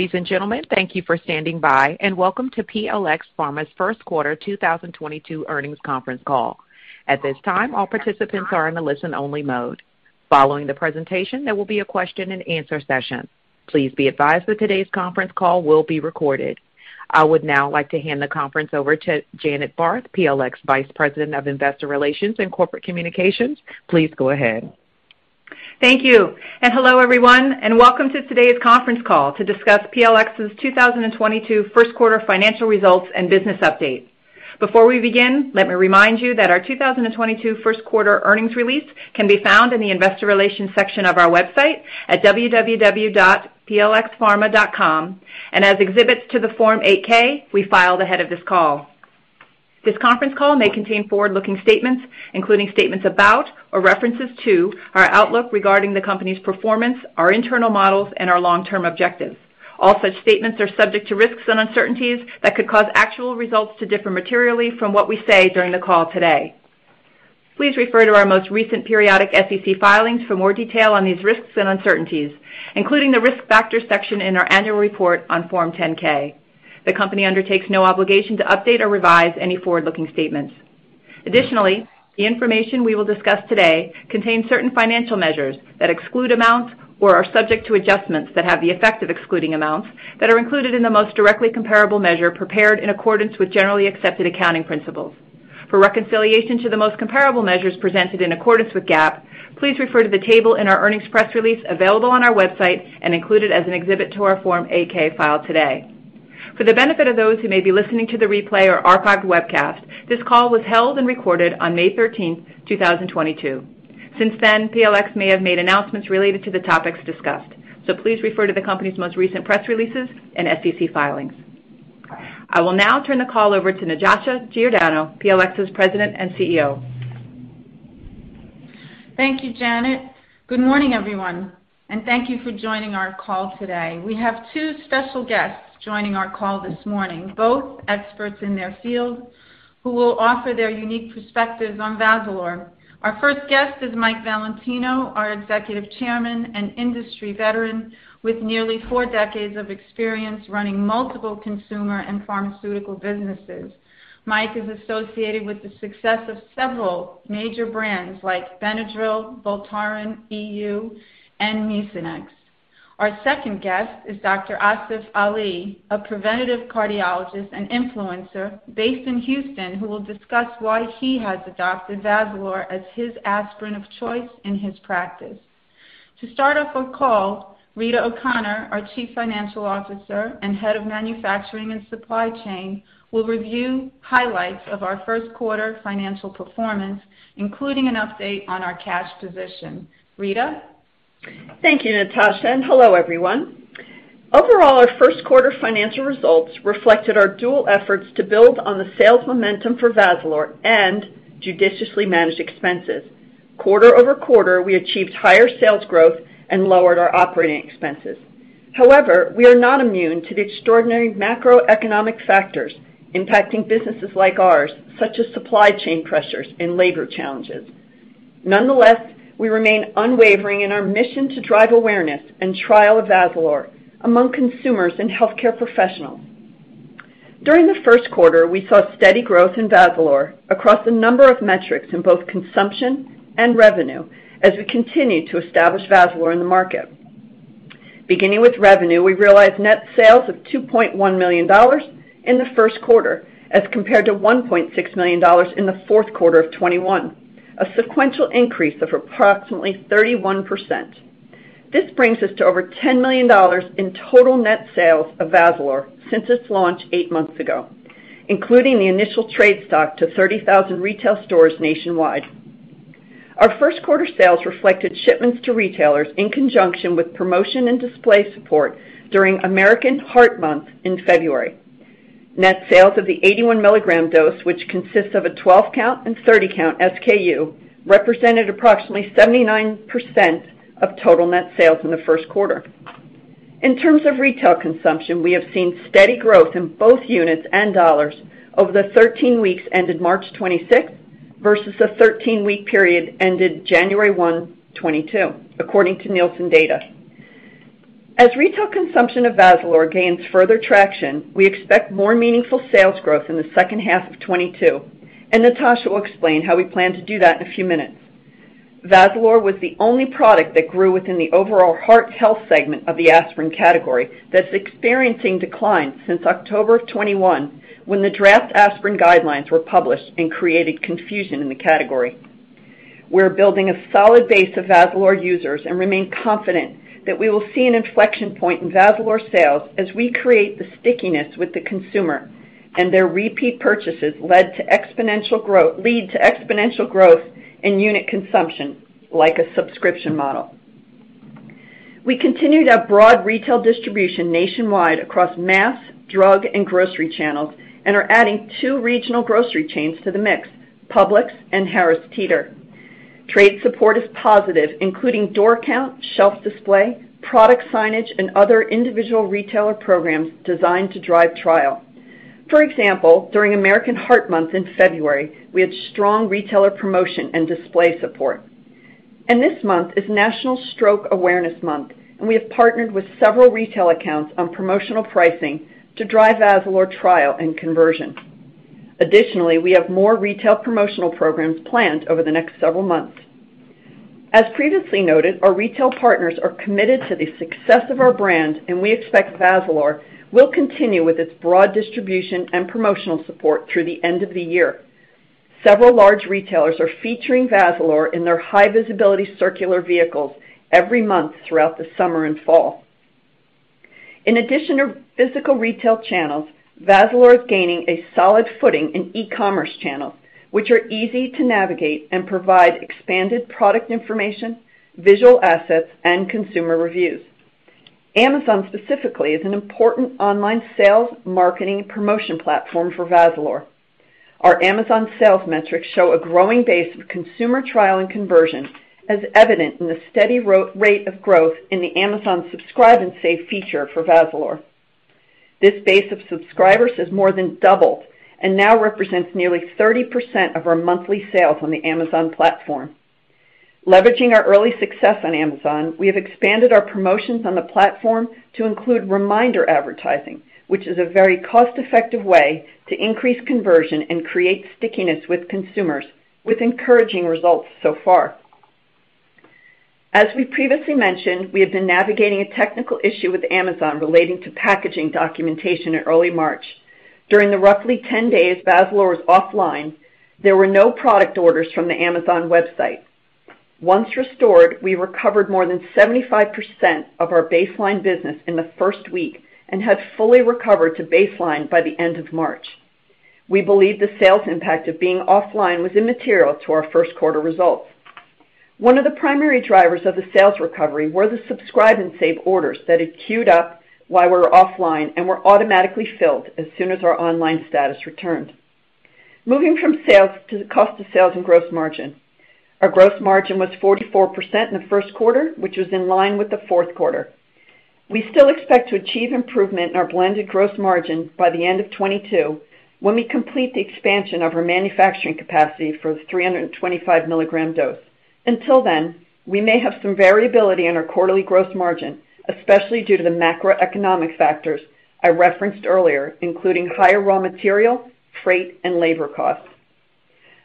Ladies and gentlemen, thank you for standing by and welcome to PLx Pharma's First Quarter 2022 Earnings Conference Call. At this time, all participants are in a listen-only mode. Following the presentation, there will be a question and answer session. Please be advised that today's conference call will be recorded. I would now like to hand the conference over to Janet Barth, PLx Vice President of Investor Relations & Corporate Communications. Please go ahead. Thank you, and hello, everyone, and welcome to today's conference call to discuss PLx's 2022 first quarter financial results and business update. Before we begin, let me remind you that our 2022 first quarter earnings release can be found in the investor relations section of our website at www.plxpharma.com, and as exhibits to the Form 8-K we filed ahead of this call. This conference call may contain forward-looking statements, including statements about or references to our outlook regarding the company's performance, our internal models, and our long-term objectives. All such statements are subject to risks and uncertainties that could cause actual results to differ materially from what we say during the call today. Please refer to our most recent periodic SEC filings for more detail on these risks and uncertainties, including the Risk Factors section in our annual report on Form 10-K. The company undertakes no obligation to update or revise any forward-looking statements. Additionally, the information we will discuss today contains certain financial measures that exclude amounts or are subject to adjustments that have the effect of excluding amounts that are included in the most directly comparable measure prepared in accordance with generally accepted accounting principles. For reconciliation to the most comparable measures presented in accordance with GAAP, please refer to the table in our earnings press release available on our website and included as an exhibit to our Form 8-K filed today. For the benefit of those who may be listening to the replay or archived webcast, this call was held and recorded on May 13, 2022. Since then, PLx may have made announcements related to the topics discussed, so please refer to the company's most recent press releases and SEC filings. I will now turn the call over to Natasha Giordano, PLx's President and CEO. Thank you, Janet. Good morning, everyone, and thank you for joining our call today. We have two special guests joining our call this morning, both experts in their field, who will offer their unique perspectives on Vazalore. Our first guest is Mike Valentino, our Executive Chairman and industry veteran with nearly four decades of experience running multiple consumer and pharmaceutical businesses. Mike is associated with the success of several major brands like Benadryl, Voltaren EU, and Mucinex. Our second guest is Dr. Asif Ali, a preventive cardiologist and influencer based in Houston, who will discuss why he has adopted Vazalore as his aspirin of choice in his practice. To start off our call, Rita O'Connor, our Chief Financial Officer and Head of Manufacturing and Supply Chain, will review highlights of our first quarter financial performance, including an update on our cash position. Rita? Thank you, Natasha, and hello, everyone. Overall, our first quarter financial results reflected our dual efforts to build on the sales momentum for Vazalore, and judiciously manage expenses. Quarter-over-quarter, we achieved higher sales growth and lowered our operating expenses. However, we are not immune to the extraordinary macroeconomic factors impacting businesses like ours, such as supply chain pressures and labor challenges. Nonetheless, we remain unwavering in our mission to drive awareness and trial of Vazalore among consumers and healthcare professionals. During the first quarter, we saw steady growth in Vazalore across a number of metrics in both consumption and revenue as we continue to establish Vazalore in the market. Beginning with revenue, we realized net sales of $2.1 million in the first quarter as compared to $1.6 million in the fourth quarter of 2021, a sequential increase of approximately 31%. This brings us to over $10 million in total net sales of Vazalore since its launch eight months ago, including the initial trade stock to 30,000 retail stores nationwide. Our first quarter sales reflected shipments to retailers in conjunction with promotion and display support during American Heart Month in February. Net sales of the 81 mg dose, which consists of a 12-count and 30-count SKU, represented approximately 79% of total net sales in the first quarter. In terms of retail consumption, we have seen steady growth in both units and dollars over the 13 weeks ended March 26th versus the 13-week period ended January 1, 2022, according to Nielsen data. As retail consumption of Vazalore gains further traction, we expect more meaningful sales growth in the second half of 2022, and Natasha will explain how we plan to do that in a few minutes. Vazalore was the only product that grew within the overall heart health segment of the aspirin category that's experiencing decline since October 2021, when the draft aspirin guidelines were published and created confusion in the category. We're building a solid base of Vazalore users and remain confident that we will see an inflection point in Vazalore sales as we create the stickiness with the consumer, and their repeat purchases lead to exponential growth in unit consumption, like a subscription model. We continue to have broad retail distribution nationwide across mass, drug, and grocery channels and are adding two regional grocery chains to the mix, Publix and Harris Teeter. Trade support is positive, including door count, shelf display, product signage, and other individual retailer programs designed to drive trial. For example, during American Heart Month in February, we had strong retailer promotion and display support. This month is National Stroke Awareness Month, and we have partnered with several retail accounts on promotional pricing to drive Vazalore trial and conversion. Additionally, we have more retail promotional programs planned over the next several months. As previously noted, our retail partners are committed to the success of our brand, and we expect Vazalore will continue with its broad distribution and promotional support through the end of the year. Several large retailers are featuring Vazalore in their high visibility circular vehicles every month throughout the summer and fall. In addition to physical retail channels, Vazalore is gaining a solid footing in e-commerce channels, which are easy to navigate and provide expanded product information, visual assets, and consumer reviews. Amazon specifically is an important online sales, marketing, and promotion platform for Vazalore. Our Amazon sales metrics show a growing base of consumer trial and conversion, as evident in the steady reorder rate of growth in the Amazon Subscribe & Save feature for Vazalore. This base of subscribers has more than doubled and now represents nearly 30% of our monthly sales on the Amazon platform. Leveraging our early success on Amazon, we have expanded our promotions on the platform to include reminder advertising, which is a very cost-effective way to increase conversion and create stickiness with consumers, with encouraging results so far. As we previously mentioned, we have been navigating a technical issue with Amazon relating to packaging documentation in early March. During the roughly 10 days, Vazalore was offline, there were no product orders from the Amazon website. Once restored, we recovered more than 75% of our baseline business in the first week, and had fully recovered to baseline by the end of March. We believe the sales impact of being offline was immaterial to our first quarter results. One of the primary drivers of the sales recovery were the Subscribe & Save orders that had queued up while we were offline, and were automatically filled as soon as our online status returned. Moving from sales to the cost of sales and gross margin. Our gross margin was 44% in the first quarter, which was in line with the fourth quarter. We still expect to achieve improvement in our blended gross margin by the end of 2022, when we complete the expansion of our manufacturing capacity for the 325 mg dose. Until then, we may have some variability in our quarterly gross margin, especially due to the macroeconomic factors I referenced earlier, including higher raw material, freight, and labor costs.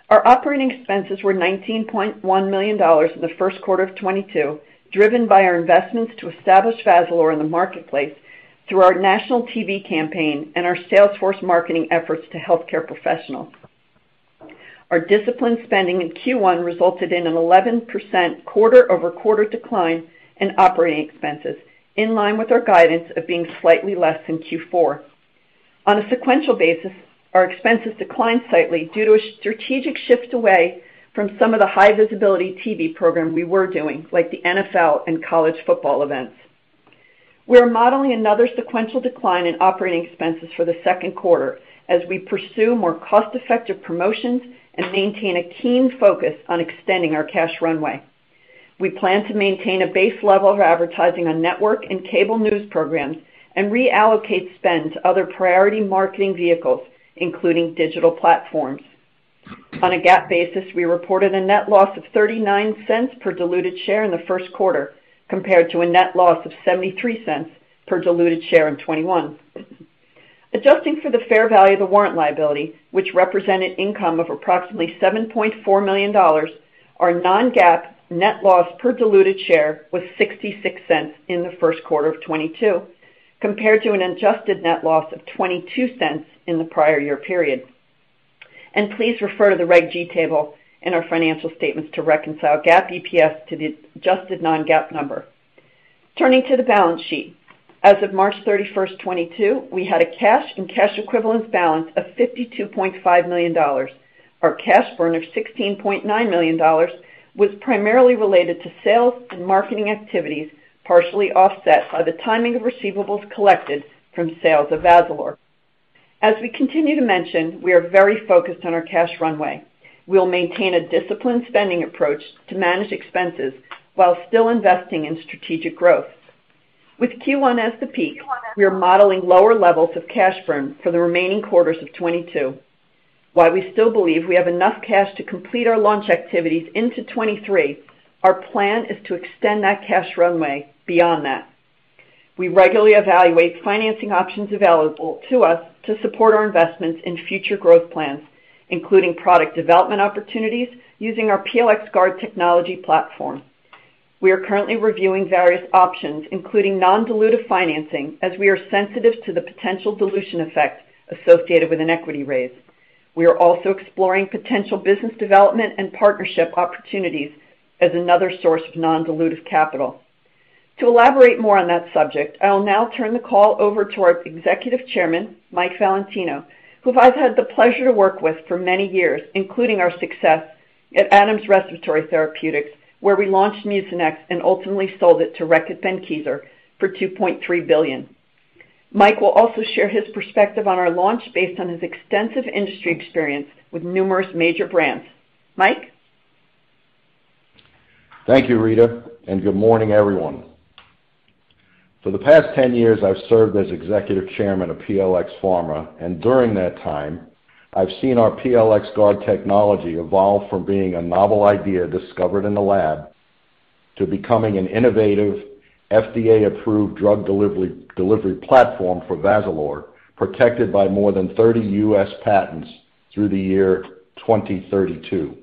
Our operating expenses were $19.1 million in the first quarter of 2022, driven by our investments to establish Vazalore in the marketplace, through our national TV campaign and our sales force marketing efforts to healthcare professionals. Our disciplined spending in Q1 resulted in an 11% quarter-over-quarter decline in operating expenses, in line with our guidance of being slightly less than Q4. On a sequential basis, our expenses declined slightly due to a strategic shift away from some of the high visibility TV program we were doing, like the NFL and College Football events. We are modeling another sequential decline in operating expenses for the second quarter as we pursue more cost-effective promotions, and maintain a keen focus on extending our cash runway. We plan to maintain a base level of advertising on network and cable news programs, and reallocate spend to other priority marketing vehicles, including digital platforms. On a GAAP basis, we reported a net loss of $0.39 per diluted share in the first quarter, compared to a net loss of $0.73 per diluted share in 2021. Adjusting for the fair value of the warrant liability, which represented income of approximately $7.4 million, our non-GAAP net loss per diluted share was $0.66 in the first quarter of 2022, compared to an adjusted net loss of $0.22 in the prior year period. Please refer to the Reg G table in our financial statements to reconcile GAAP EPS to the adjusted non-GAAP number. Turning to the balance sheet. As of March 31st, 2022, we had a cash and cash equivalent balance of $52.5 million. Our cash burn of $16.9 million was primarily related to sales and marketing activities, partially offset by the timing of receivables collected from sales of Vazalore. As we continue to mention, we are very focused on our cash runway. We'll maintain a disciplined spending approach to manage expenses while still investing in strategic growth. With Q1 as the peak, we are modeling lower levels of cash burn for the remaining quarters of 2022. While we still believe we have enough cash to complete our launch activities into 2023, our plan is to extend that cash runway beyond that. We regularly evaluate financing options available to us to support our investments in future growth plans, including product development opportunities using our PLxGuard technology platform. We are currently reviewing various options, including non-dilutive financing, as we are sensitive to the potential dilution effect associated with an equity raise. We are also exploring potential business development and partnership opportunities, as another source of non-dilutive capital. To elaborate more on that subject, I will now turn the call over to our Executive Chairman, Mike Valentino, who I've had the pleasure to work with for many years, including our success at Adams Respiratory Therapeutics, where we launched Mucinex and ultimately sold it to Reckitt Benckiser for $2.3 billion. Mike will also share his perspective on our launch based on his extensive industry experience with numerous major brands. Mike? Thank you, Rita, and good morning, everyone. For the past 10 years, I've served as executive chairman of PLx Pharma, and during that time, I've seen our PLxGuard technology evolve from being a novel idea discovered in the lab, to becoming an innovative FDA-approved drug delivery platform for Vazalore, protected by more than 30 U.S. patents through 2032.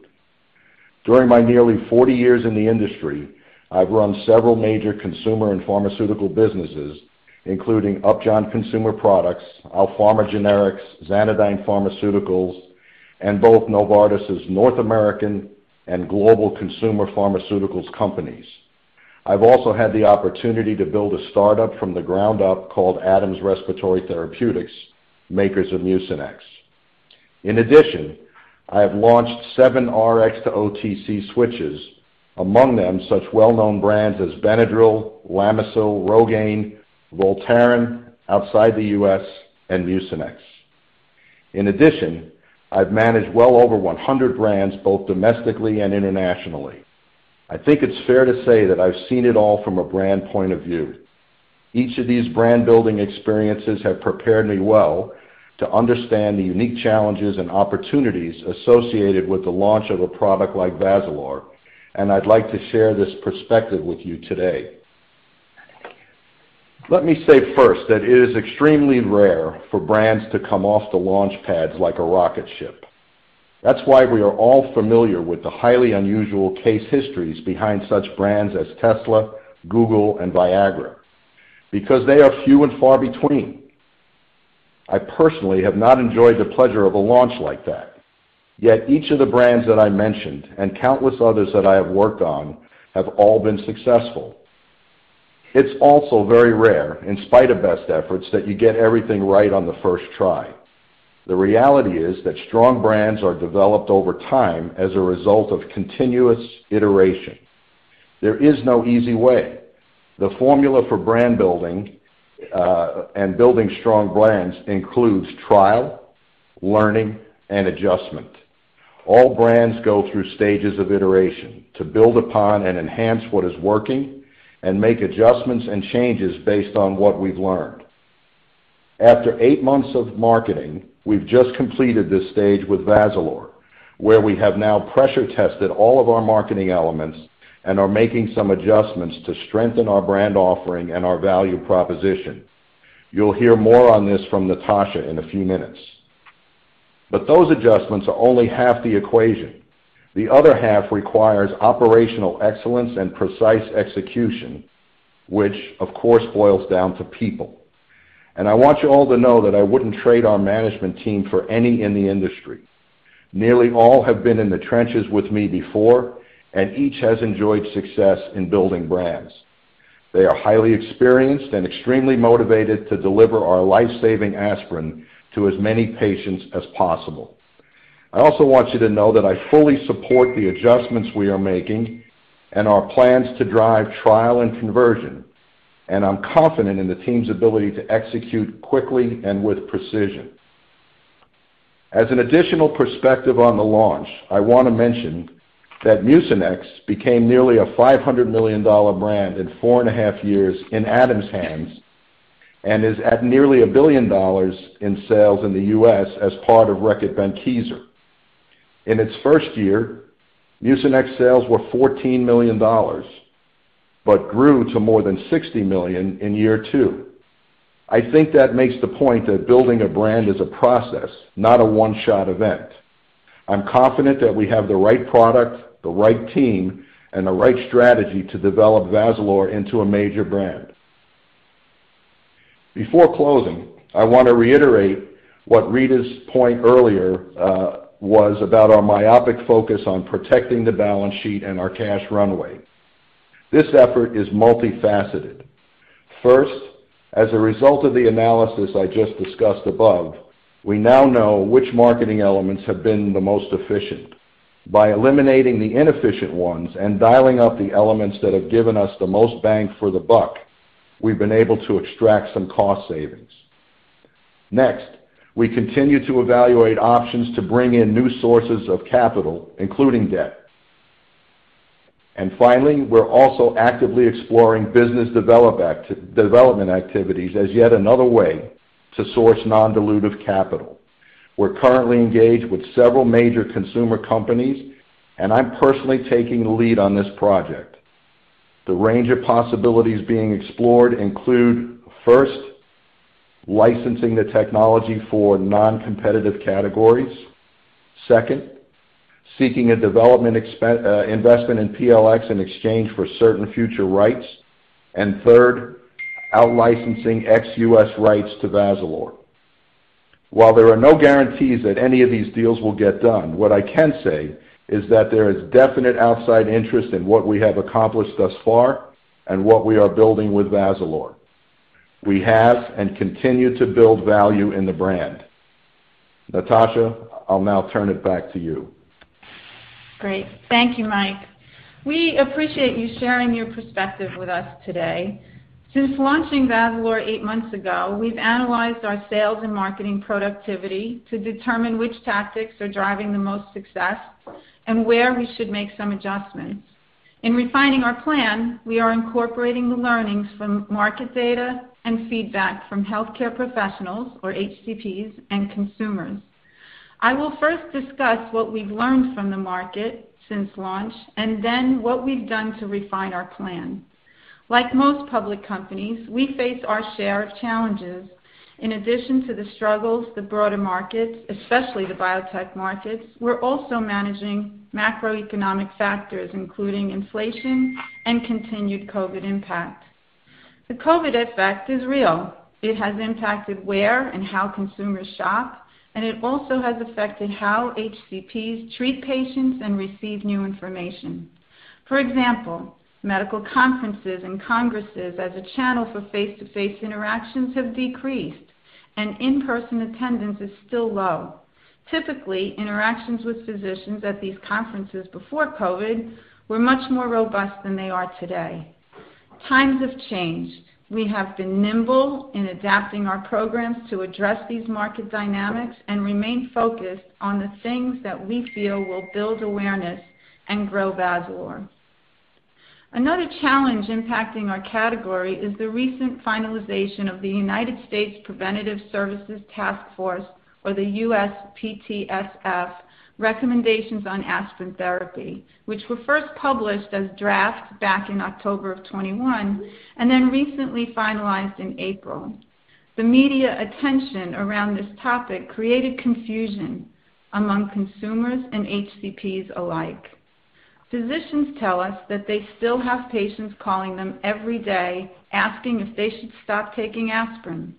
During my nearly 40 years in the industry, I've run several major consumer and pharmaceutical businesses, including Upjohn Consumer Products, Alpharma Generics, Xanodyne Pharmaceuticals, and both Novartis's North American and global consumer pharmaceuticals companies. I've also had the opportunity to build a startup from the ground up called Adams Respiratory Therapeutics, makers of Mucinex. In addition, I have launched 7 Rx-to-OTC switches, among them such well-known brands as Benadryl, Lamisil, Rogaine, Voltaren outside the U.S., and Mucinex. In addition, I've managed well over 100 brands, both domestically and internationally. I think it's fair to say that I've seen it all from a brand point of view. Each of these brand-building experiences have prepared me well, to understand the unique challenges and opportunities associated with the launch of a product like Vazalore, and I'd like to share this perspective with you today. Let me say first that it is extremely rare for brands to come off the launch pads like a rocket ship. That's why we are all familiar with the highly unusual case histories behind such brands as Tesla, Google, and Viagra, because they are few and far between. I personally have not enjoyed the pleasure of a launch like that. Yet each of the brands that I mentioned and countless others that I have worked on have all been successful. It's also very rare, in spite of best efforts, that you get everything right on the first try. The reality is that strong brands are developed over time as a result of continuous iteration. There is no easy way. The formula for brand building, and building strong brands includes trial, learning, and adjustment. All brands go through stages of iteration to build upon and enhance what is working, and make adjustments and changes based on what we've learned. After eight months of marketing, we've just completed this stage with Vazalore, where we have now pressure tested all of our marketing elements, and are making some adjustments to strengthen our brand offering and our value proposition. You'll hear more on this from Natasha in a few minutes. Those adjustments are only half the equation. The other half requires operational excellence and precise execution, which of course boils down to people. I want you all to know that I wouldn't trade our management team for any in the industry. Nearly all have been in the trenches with me before, and each has enjoyed success in building brands. They are highly experienced and extremely motivated to deliver our life-saving aspirin to as many patients as possible. I also want you to know that I fully support the adjustments we are making and our plans to drive trial and conversion, and I'm confident in the team's ability to execute quickly and with precision. As an additional perspective on the launch, I wanna mention that Mucinex became nearly a $500 million brand in 4.5 years in Adams' hands and is at nearly a $1 billion in sales in the U.S. as part of Reckitt Benckiser. In its first year, Mucinex sales were $14 million, but grew to more than $60 million in year two. I think that makes the point that building a brand is a process, not a one-shot event. I'm confident that we have the right product, the right team, and the right strategy to develop Vazalore into a major brand. Before closing, I want to reiterate what Rita's point earlier was about our myopic focus on protecting the balance sheet and our cash runway. This effort is multifaceted. First, as a result of the analysis I just discussed above, we now know which marketing elements have been the most efficient. By eliminating the inefficient ones and dialing up the elements that have given us the most bang for the buck, we've been able to extract some cost savings. Next, we continue to evaluate options to bring in new sources of capital, including debt. Finally, we're also actively exploring business development activities as yet another way to source non-dilutive capital. We're currently engaged with several major consumer companies, and I'm personally taking the lead on this project. The range of possibilities being explored include, first, licensing the technology for non-competitive categories. Second, seeking a development investment in PLx in exchange for certain future rights. Third, out-licensing ex-U.S. rights to Vazalore. While there are no guarantees that any of these deals will get done, what I can say is that there is definite outside interest in what we have accomplished thus far, and what we are building with Vazalore. We have and continue to build value in the brand. Natasha, I'll now turn it back to you. Great. Thank you, Mike. We appreciate you sharing your perspective with us today. Since launching Vazalore eight months ago, we've analyzed our sales and marketing productivity, to determine which tactics are driving the most success, and where we should make some adjustments. In refining our plan, we are incorporating the learnings from market data and feedback from healthcare professionals, or HCPs, and consumers. I will first discuss what we've learned from the market since launch, and then what we've done to refine our plan. Like most public companies, we face our share of challenges. In addition to the struggles, the broader markets, especially the biotech markets, we're also managing macroeconomic factors, including inflation and continued COVID impacts. The COVID effect is real. It has impacted where and how consumers shop, and it also has affected how HCPs treat patients and receive new information. For example, medical conferences and congresses as a channel for face-to-face interactions have decreased, and in-person attendance is still low. Typically, interactions with physicians at these conferences before COVID were much more robust than they are today. Times have changed. We have been nimble in adapting our programs to address these market dynamics and remain focused on the things that we feel will build awareness and grow Vazalore. Another challenge impacting our category is the recent finalization of the United States Preventive Services Task Force, or the USPSTF, recommendations on aspirin therapy, which were first published as drafts back in October of 2021, and then recently finalized in April. The media attention around this topic created confusion among consumers and HCPs alike. Physicians tell us that they still have patients calling them every day asking if they should stop taking aspirin.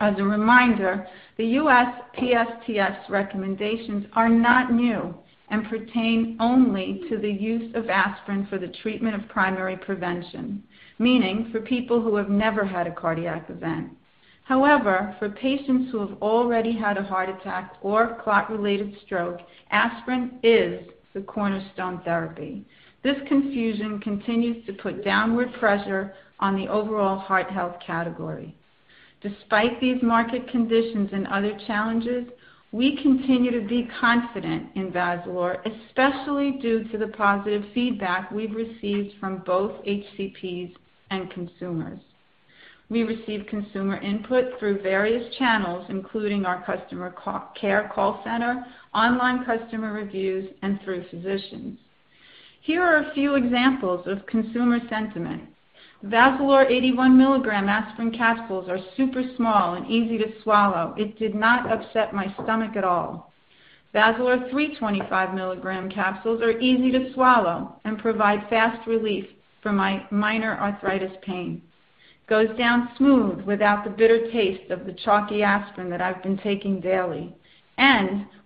As a reminder, the USPSTF recommendations are not new, and pertain only to the use of aspirin for the treatment of primary prevention, meaning for people who have never had a cardiac event. However, for patients who have already had a heart attack or clot-related stroke, aspirin is the cornerstone therapy. This confusion continues to put downward pressure on the overall heart health category. Despite these market conditions and other challenges, we continue to be confident in Vazalore, especially due to the positive feedback we've received from both HCPs and consumers. We receive consumer input through various channels, including our customer care call center, online customer reviews, and through physicians. Here are a few examples of consumer sentiment. "Vazalore 81 mg aspirin capsules are super small and easy to swallow. It did not upset my stomach at all." "Vazalore 325 mg capsules are easy to swallow and provide fast relief for my minor arthritis pain." "Goes down smooth without the bitter taste of the chalky aspirin that I've been taking daily."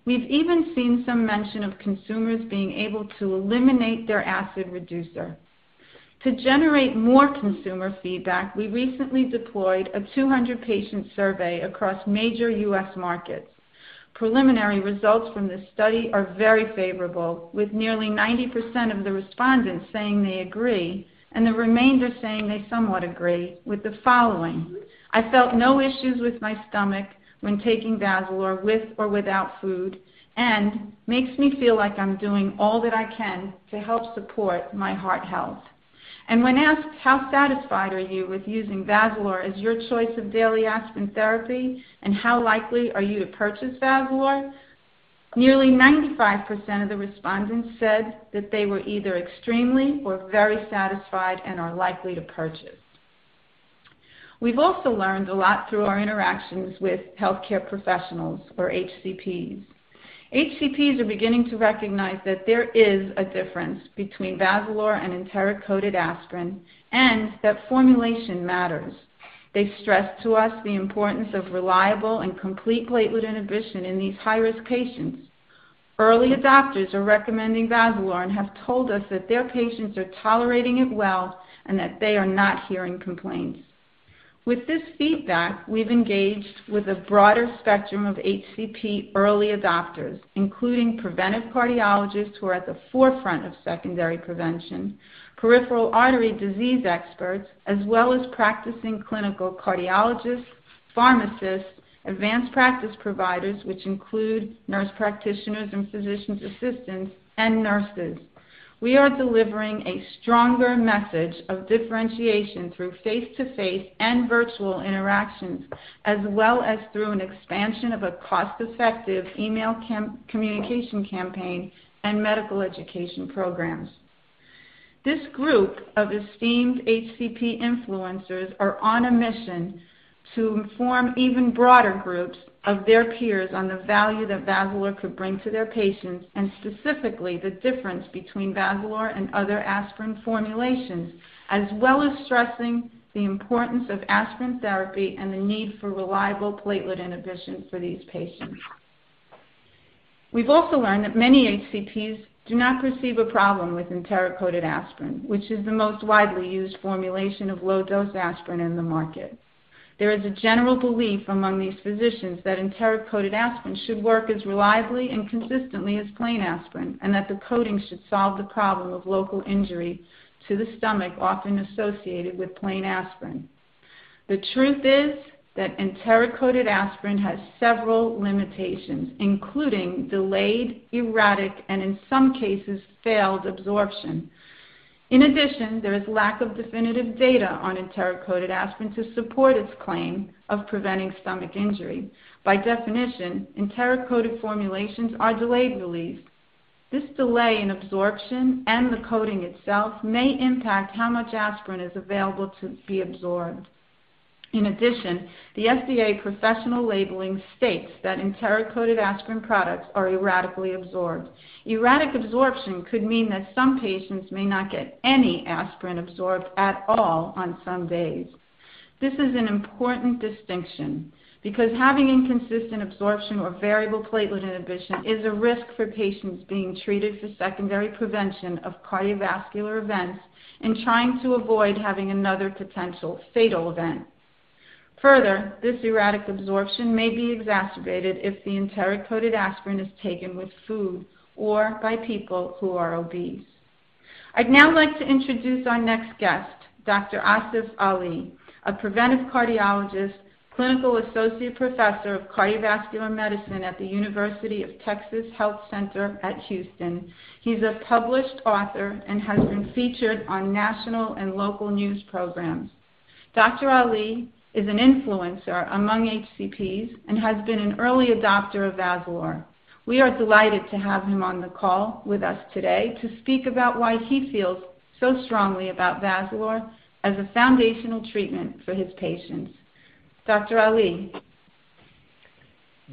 We've even seen some mention of consumers being able to eliminate their acid reducer. To generate more consumer feedback, we recently deployed a 200-patient survey across major U.S. markets. Preliminary results from this study are very favorable, with nearly 90% of the respondents saying they agree, and the remainder saying they somewhat agree with the following: "I felt no issues with my stomach when taking Vazalore with or without food," and, "Makes me feel like I'm doing all that I can to help support my heart health." When asked, "How satisfied are you with using Vazalore as your choice of daily aspirin therapy, and how likely are you to purchase Vazalore?" Nearly 95% of the respondents said that they were either extremely or very satisfied and are likely to purchase. We've also learned a lot through our interactions with healthcare professionals or HCPs. HCPs are beginning to recognize that there is a difference between Vazalore and enteric-coated aspirin, and that formulation matters. They stress to us the importance of reliable and complete platelet inhibition in these high-risk patients. Early adopters are recommending Vazalore and have told us that their patients are tolerating it well, and that they are not hearing complaints. With this feedback, we've engaged with a broader spectrum of HCP early adopters, including preventive cardiologists who are at the forefront of secondary prevention, peripheral artery disease experts, as well as practicing clinical cardiologists, pharmacists, advanced practice providers, which include nurse practitioners and physician assistants, and nurses. We are delivering a stronger message of differentiation through face-to-face and virtual interactions, as well as through an expansion of a cost-effective email campaign and communication campaign, and medical education programs. This group of esteemed HCP influencers are on a mission, to inform even broader groups of their peers on the value that Vazalore could bring to their patients, and specifically the difference between Vazalore and other aspirin formulations, as well as stressing the importance of aspirin therapy and the need for reliable platelet inhibition for these patients. We've also learned that many HCPs do not perceive a problem with enteric-coated aspirin, which is the most widely used formulation of low-dose aspirin in the market. There is a general belief among these physicians that enteric-coated aspirin should work as reliably and consistently as plain aspirin, and that the coating should solve the problem of local injury to the stomach often associated with plain aspirin. The truth is that enteric-coated aspirin has several limitations, including delayed, erratic, and in some cases, failed absorption. In addition, there is lack of definitive data on enteric-coated aspirin to support its claim of preventing stomach injury. By definition, enteric-coated formulations are delayed release. This delay in absorption and the coating itself may impact how much aspirin is available to be absorbed. In addition, the FDA professional labeling states that enteric-coated aspirin products are erratically absorbed. Erratic absorption could mean that some patients may not get any aspirin absorbed at all on some days. This is an important distinction, because having inconsistent absorption or variable platelet inhibition is a risk for patients being treated for secondary prevention of cardiovascular events, and trying to avoid having another potential fatal event. Further, this erratic absorption may be exacerbated if the enteric-coated aspirin is taken with food or by people who are obese. I'd now like to introduce our next guest, Dr. Asif Ali, a preventive cardiologist, clinical associate professor of cardiovascular medicine at the University of Texas Health Science Center at Houston. He's a published author and has been featured on national and local news programs. Dr. Ali is an influencer among HCPs and has been an early adopter of Vazalore. We are delighted to have him on the call with us today to speak about why he feels so strongly about Vazalore as a foundational treatment for his patients. Dr. Ali.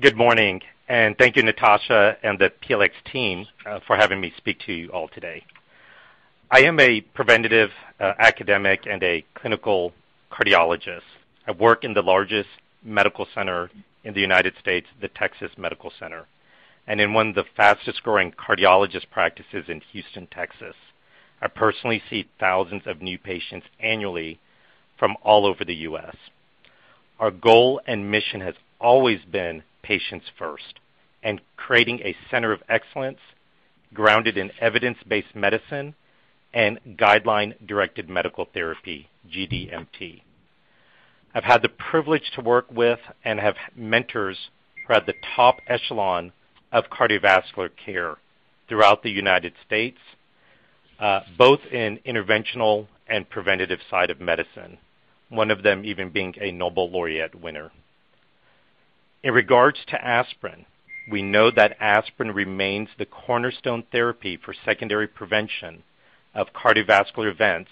Good morning, and thank you, Natasha and the PLx team for having me speak to you all today. I am a preventive academic and a clinical cardiologist. I work in the largest medical center in the United States, the Texas Medical Center, and in one of the fastest-growing cardiologist practices in Houston, Texas. I personally see thousands of new patients annually from all over the U.S. Our goal and mission has always been patients first, and creating a center of excellence grounded in evidence-based medicine, and guideline-directed medical therapy, GDMT. I've had the privilege to work with and have mentors who are at the top echelon of cardiovascular care throughout the United States, both in interventional and preventive side of medicine. One of them even being a Nobel Laureate winner. In regard to aspirin, we know that aspirin remains the cornerstone therapy for secondary prevention of cardiovascular events,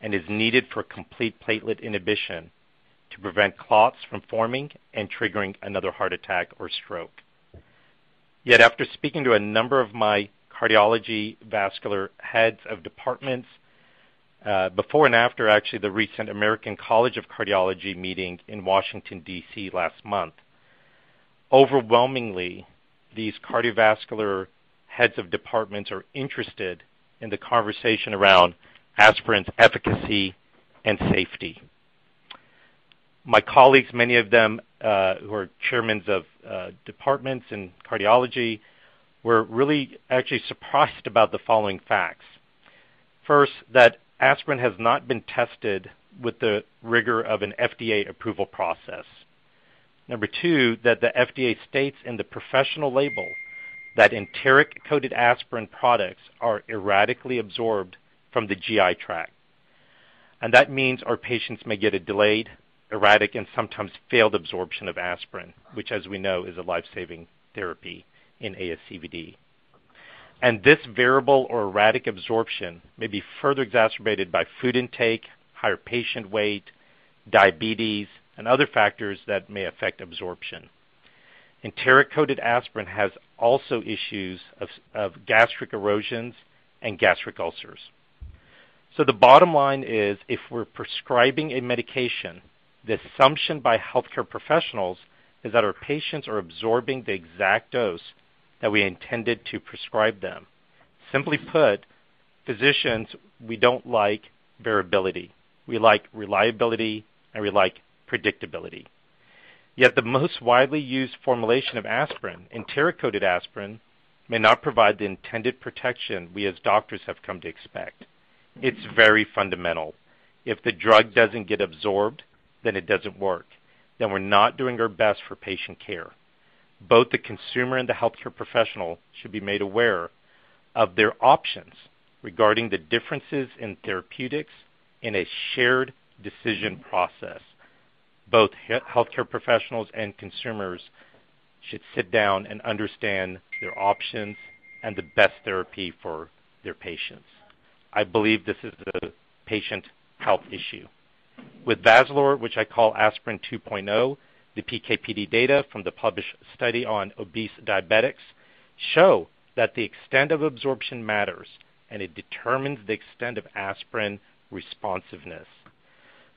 and is needed for complete platelet inhibition, to prevent clots from forming and triggering another heart attack or stroke. Yet, after speaking to a number of my cardiology vascular heads of departments, before and after actually the recent American College of Cardiology meeting in Washington, D.C. last month, overwhelmingly, these cardiovascular heads of departments are interested in the conversation around aspirin's efficacy and safety. My colleagues, many of them, who are chairmen of departments in cardiology, were really actually surprised about the following facts. First, that aspirin has not been tested with the rigor of an FDA approval process. Number two, that the FDA states in the professional label that enteric-coated aspirin products are erratically absorbed from the GI tract. That means our patients may get a delayed, erratic, and sometimes failed absorption of aspirin, which as we know, is a life-saving therapy in ASCVD. This variable or erratic absorption may be further exacerbated by food intake, higher patient weight, diabetes, and other factors that may affect absorption. Enteric-coated aspirin has also issues of gastric erosions and gastric ulcers. The bottom line is, if we're prescribing a medication, the assumption by healthcare professionals is that our patients are absorbing the exact dose that we intended to prescribe them. Simply put, physicians, we don't like variability. We like reliability, and we like predictability. Yet the most widely used formulation of aspirin, enteric-coated aspirin, may not provide the intended protection we, as doctors, have come to expect. It's very fundamental. If the drug doesn't get absorbed, then it doesn't work, then we're not doing our best for patient care. Both the consumer and the healthcare professional should be made aware of their options, regarding the differences in therapeutics in a shared decision process. Both healthcare professionals and consumers should sit down and understand their options, and the best therapy for their patients. I believe this is a patient health issue. With Vazalore, which I call Aspirin 2.0, the PK/PD data from the published study on obese diabetics, show that the extent of absorption matters, and it determines the extent of aspirin responsiveness.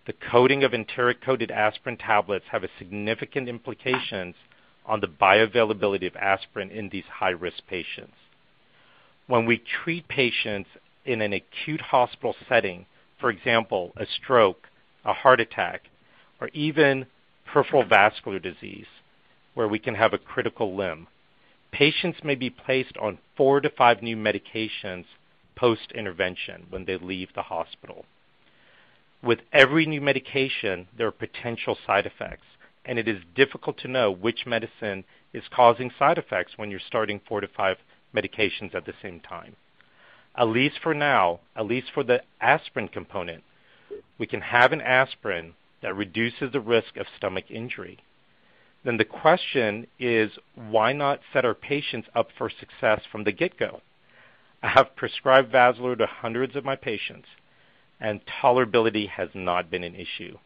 The coating of enteric-coated aspirin tablets have a significant implications on the bioavailability of aspirin in these high-risk patients. When we treat patients in an acute hospital setting, for example, a stroke, a heart attack, or even peripheral vascular disease, where we can have a critical limb. Patients may be placed on 4-5 new medications post-intervention when they leave the hospital. With every new medication, there are potential side effects, and it is difficult to know which medicine is causing side effects when you're starting 4-5 medications at the same time. At least for now, at least for the aspirin component, we can have an aspirin that reduces the risk of stomach injury. The question is, why not set our patients up for success from the get-go? I have prescribed Vazalore to hundreds of my patients, and tolerability has not been an issue.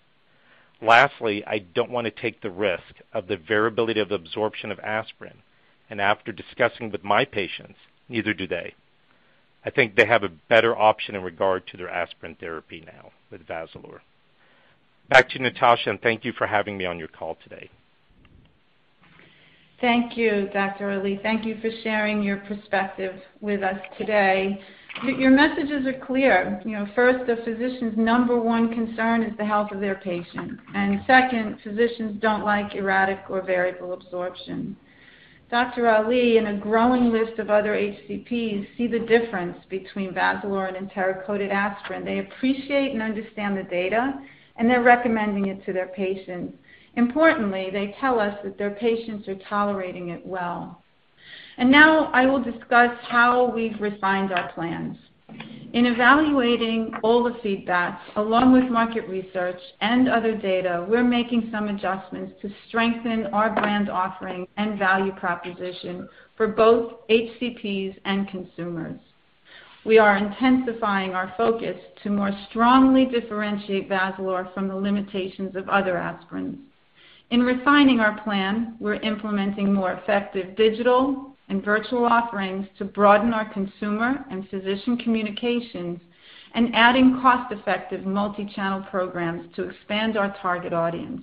Lastly, I don't wanna take the risk of the variability of absorption of aspirin, and after discussing with my patients, neither do they. I think they have a better option in regard to their aspirin therapy now with Vazalore. Back to you, Natasha, and thank you for having me on your call today. Thank you, Dr. Ali. Thank you for sharing your perspective with us today. Your messages are clear. You know, first, the physician's number one concern is the health of their patient, and second, physicians don't like erratic or variable absorption. Dr. Ali and a growing list of other HCPs see the difference between Vazalore and enteric-coated aspirin. They appreciate and understand the data, and they're recommending it to their patients. Importantly, they tell us that their patients are tolerating it well. Now I will discuss how we've refined our plans. In evaluating all the feedback, along with market research and other data, we're making some adjustments to strengthen our brand offering and value proposition for both HCPs and consumers. We are intensifying our focus to more strongly differentiate Vazalore from the limitations of other aspirins. In refining our plan, we're implementing more effective digital and virtual offerings to broaden our consumer and physician communications, and adding cost-effective multi-channel programs to expand our target audience.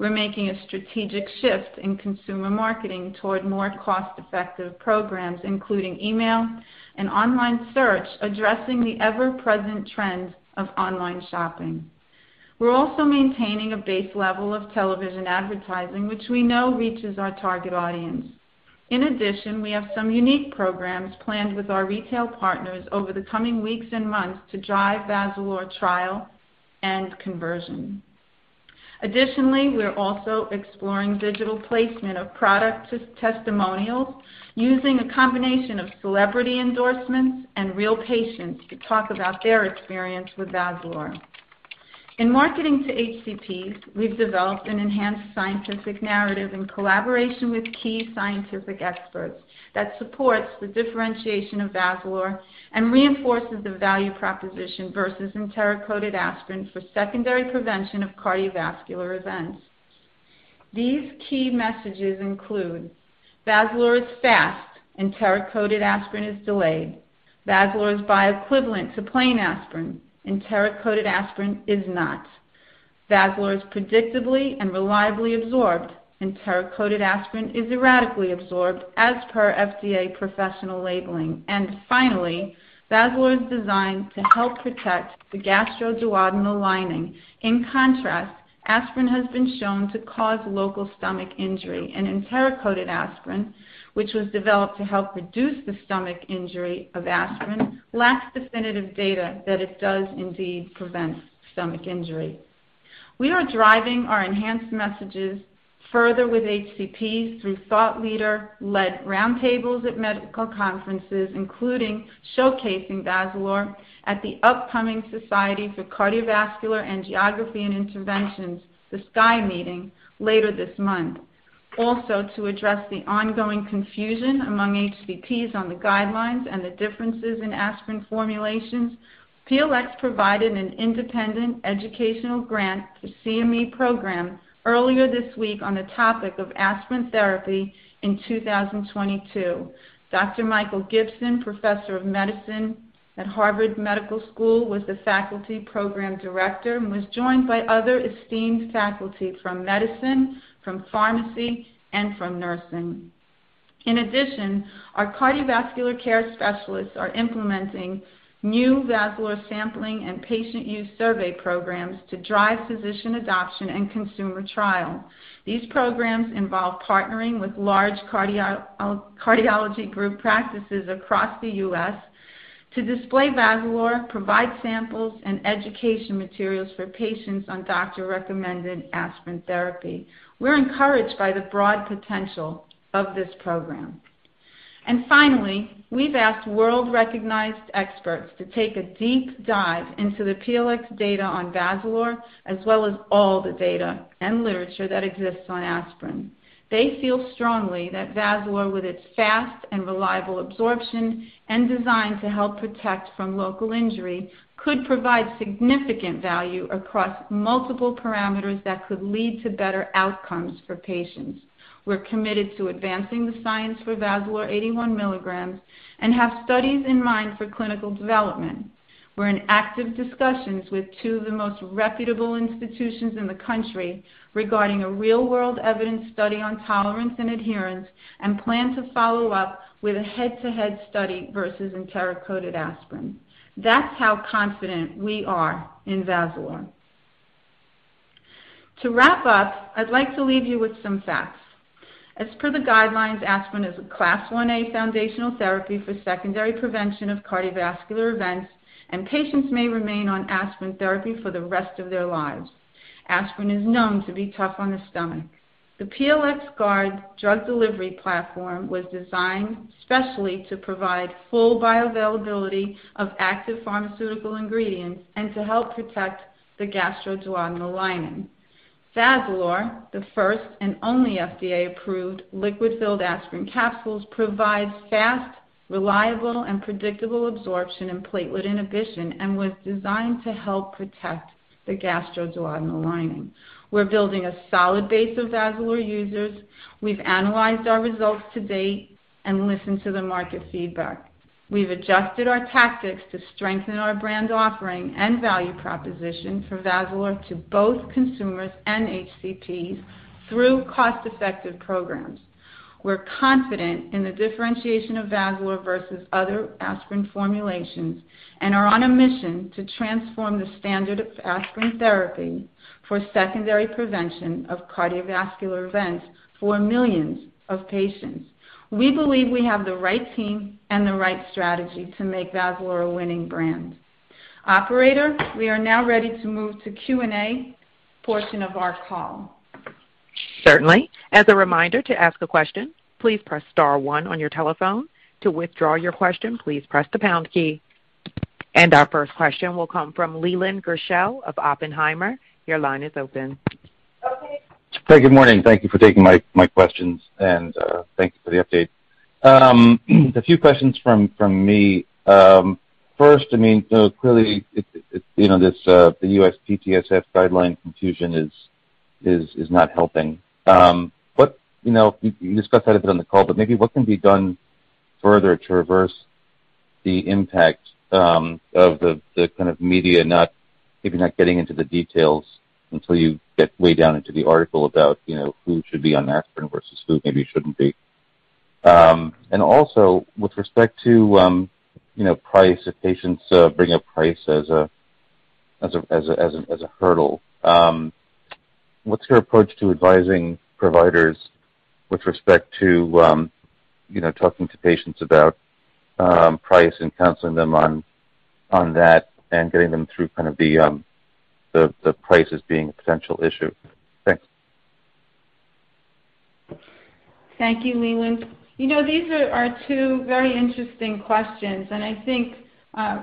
We're making a strategic shift in consumer marketing toward more cost-effective programs, including email and online search, addressing the ever-present trends of online shopping. We're also maintaining a base level of television advertising, which we know reaches our target audience. In addition, we have some unique programs planned with our retail partners over the coming weeks and months to drive Vazalore trial and conversion. Additionally, we're also exploring digital placement of product testimonials using a combination of celebrity endorsements and real patients to talk about their experience with Vazalore. In marketing to HCPs, we've developed an enhanced scientific narrative in collaboration with key scientific experts, that supports the differentiation of Vazalore and reinforces the value proposition versus enteric-coated aspirin for secondary prevention of cardiovascular events. These key messages include Vazalore is fast, enteric-coated aspirin is delayed. Vazalore is bioequivalent to plain aspirin, enteric-coated aspirin is not. Vazalore is predictably and reliably absorbed. Enteric-coated aspirin is erratically absorbed as per FDA professional labeling. Finally, Vazalore is designed to help protect the gastroduodenal lining. In contrast, aspirin has been shown to cause local stomach injury, and enteric-coated aspirin, which was developed to help reduce the stomach injury of aspirin, lacks definitive data that it does indeed prevent stomach injury. We are driving our enhanced messages further with HCPs through thought leader-led roundtables at medical conferences, including showcasing Vazalore at the upcoming Society for Cardiovascular Angiography and Interventions, the SCAI meeting, later this month. To address the ongoing confusion among HCPs on the guidelines and the differences in aspirin formulations, PLx provided an independent educational grant through CME program earlier this week on the topic of aspirin therapy in 2022. Dr. Michael Gibson, Professor of Medicine at Harvard Medical School, was the faculty program director and was joined by other esteemed faculty from medicine, from pharmacy, and from nursing. In addition, our cardiovascular care specialists are implementing new Vazalore sampling and patient use survey programs to drive physician adoption and consumer trial. These programs involve partnering with large cardio, uh, cardiology group practices across the U.S. to display Vazalore, provide samples and education materials for patients on doctor-recommended aspirin therapy. We're encouraged by the broad potential of this program. Finally, we've asked world-recognized experts to take a deep dive into the PLx data on Vazalore, as well as all the data and literature that exists on aspirin. They feel strongly that Vazalore, with its fast and reliable absorption, and designed to help protect from local injury, could provide significant value across multiple parameters that could lead to better outcomes for patients. We're committed to advancing the science for Vazalore 81 mg and have studies in mind for clinical development. We're in active discussions with two of the most reputable institutions in the country, regarding a real-world evidence study on tolerance and adherence, and plan to follow up with a head-to-head study versus enteric-coated aspirin. That's how confident we are in Vazalore. To wrap up, I'd like to leave you with some facts. As per the guidelines, aspirin is a Class one A foundational therapy for secondary prevention of cardiovascular events, and patients may remain on aspirin therapy for the rest of their lives. Aspirin is known to be tough on the stomach. The PLxGuard drug delivery platform was designed specially to provide full bioavailability of active pharmaceutical ingredients, and to help protect the gastroduodenal lining. Vazalore, the first and only FDA-approved liquid-filled aspirin capsules, provides fast, reliable, and predictable absorption and platelet inhibition and was designed to help protect the gastroduodenal lining. We're building a solid base of Vazalore users. We've analyzed our results to date and listened to the market feedback. We've adjusted our tactics to strengthen our brand offering and value proposition for Vazalore to both consumers and HCPs through cost-effective programs. We're confident in the differentiation of Vazalore versus other aspirin formulations, and are on a mission to transform the standard of aspirin therapy for secondary prevention of cardiovascular events for millions of patients. We believe we have the right team and the right strategy to make Vazalore a winning brand. Operator, we are now ready to move to Q&A portion of our call. Certainly. As a reminder, to ask a question, please press star one on your telephone. To withdraw your question, please press the pound key. Our first question will come from Leland Gershell of Oppenheimer. Your line is open. Okay. Hey, good morning. Thank you for taking my questions, and thank you for the update. A few questions from me. First, I mean, clearly, it you know, this the USPSTF guideline confusion is not helping. You know, you discussed that a bit on the call, but maybe what can be done further to reverse the impact of the kind of media not maybe not getting into the details until you get way down into the article about you know, who should be on aspirin versus who maybe shouldn't be. Also with respect to, you know, price, if patients bring up price as a hurdle, what's your approach to advising providers with respect to, you know, talking to patients about price and counseling them on that, and getting them through kind of the prices being a potential issue? Thanks. Thank you, Leland. You know, these are two very interesting questions, and I think,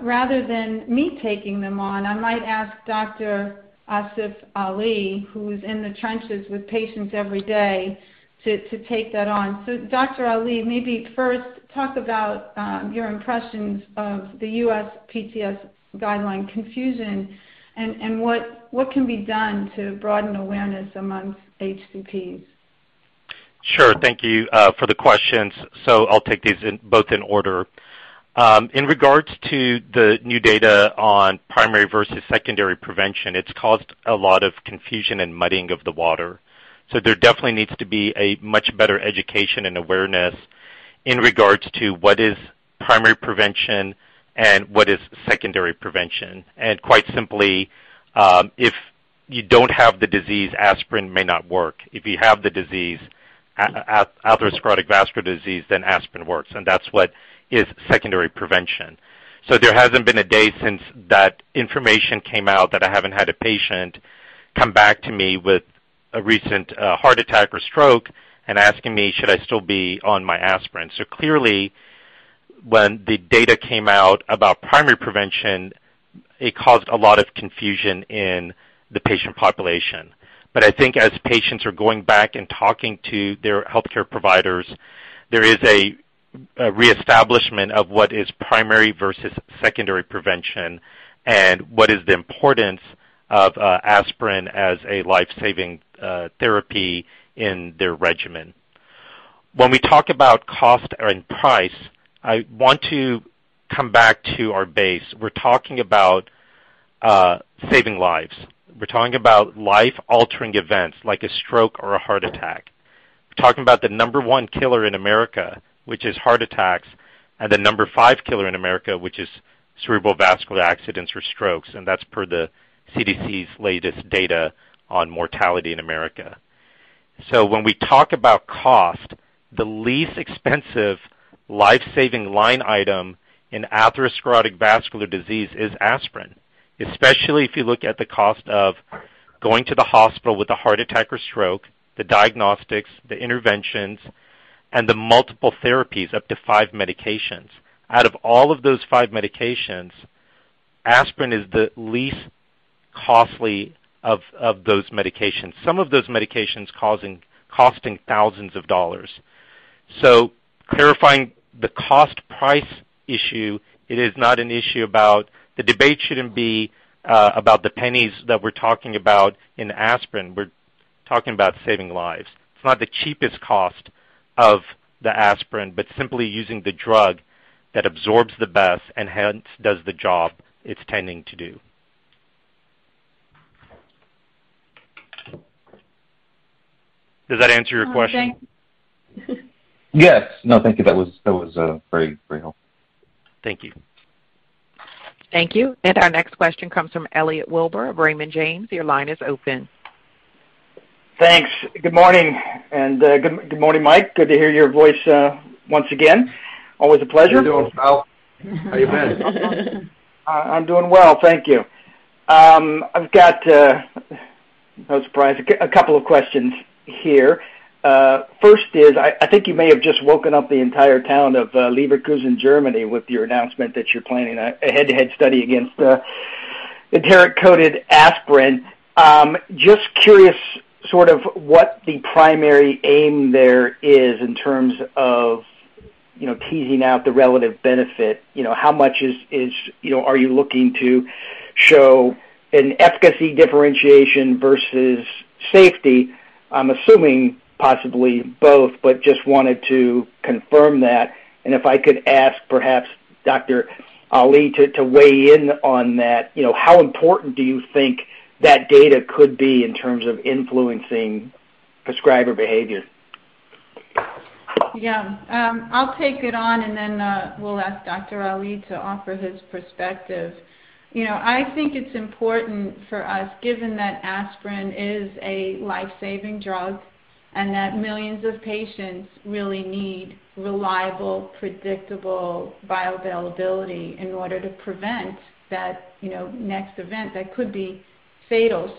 rather than me taking them on, I might ask Dr. Asif Ali, who is in the trenches with patients every day, to take that on. Dr. Ali, maybe first talk about your impressions of the USPSTF guideline confusion, and what can be done to broaden awareness among HCPs. Sure. Thank you for the questions. I'll take these both in order. In regards to the new data on primary versus secondary prevention, it's caused a lot of confusion and muddying of the water. There definitely needs to be a much better education and awareness in regards to what is primary prevention and what is secondary prevention. Quite simply, if you don't have the disease, aspirin may not work. If you have the disease, atherosclerotic vascular disease, then aspirin works, and that's what is secondary prevention. There hasn't been a day since that information came out that I haven't had a patient come back to me with a recent heart attack or stroke and asking me, "Should I still be on my aspirin?" Clearly, when the data came out about primary prevention, it caused a lot of confusion in the patient population. I think as patients are going back and talking to their healthcare providers, there is a reestablishment of what is primary versus secondary prevention, and what is the importance of aspirin as a life-saving therapy in their regimen. When we talk about cost and price, I want to come back to our base. We're talking about saving lives. We're talking about life-altering events like a stroke or a heart attack. We're talking about the number one killer in America, which is heart attacks, and the number five killer in America, which is cerebral vascular accidents or strokes, and that's per the CDC's latest data on mortality in America. When we talk about cost, the least expensive life-saving line item in atherosclerotic vascular disease is aspirin, especially if you look at the cost of going to the hospital with a heart attack or stroke, the diagnostics, the interventions, and the multiple therapies, up to 5 medications. Out of all of those five medications, aspirin is the least costly of those medications. Some of those medications costing thousands of dollars. Clarifying the cost-price issue, it is not an issue about the pennies that we're talking about in aspirin. The debate shouldn't be about the pennies that we're talking about in aspirin. We're talking about saving lives. It's not the cheapest cost of the aspirin, but simply using the drug that absorbs the best and hence does the job it's tending to do. Does that answer your question? Yes. No, thank you. That was very helpful. Thank you. Thank you. Our next question comes from Elliot Wilbur, Raymond James, your line is open. Thanks. Good morning. Good morning, Mike. Good to hear your voice once again. Always a pleasure. How you doing, pal? How you been? I'm doing well, thank you. I've got, no surprise, a couple of questions here. First is, I think you may have just woken up the entire town of Leverkusen, Germany with your announcement that you're planning a head-to-head study against the enteric-coated aspirin. Just curious sort of what the primary aim there is in terms of, you know, teasing out the relative benefit, you know, how much is, you know, are you looking to show an efficacy differentiation versus safety? I'm assuming possibly both, but just wanted to confirm that. If I could ask perhaps Dr. Ali to weigh in on that. You know, how important do you think that data could be in terms of influencing prescriber behavior? Yeah. I'll take it on and then, we'll ask Dr. Asif Ali to offer his perspective. You know, I think it's important for us given that aspirin is a life-saving drug, and that millions of patients really need reliable, predictable bioavailability in order to prevent that, you know, next event that could be fatal.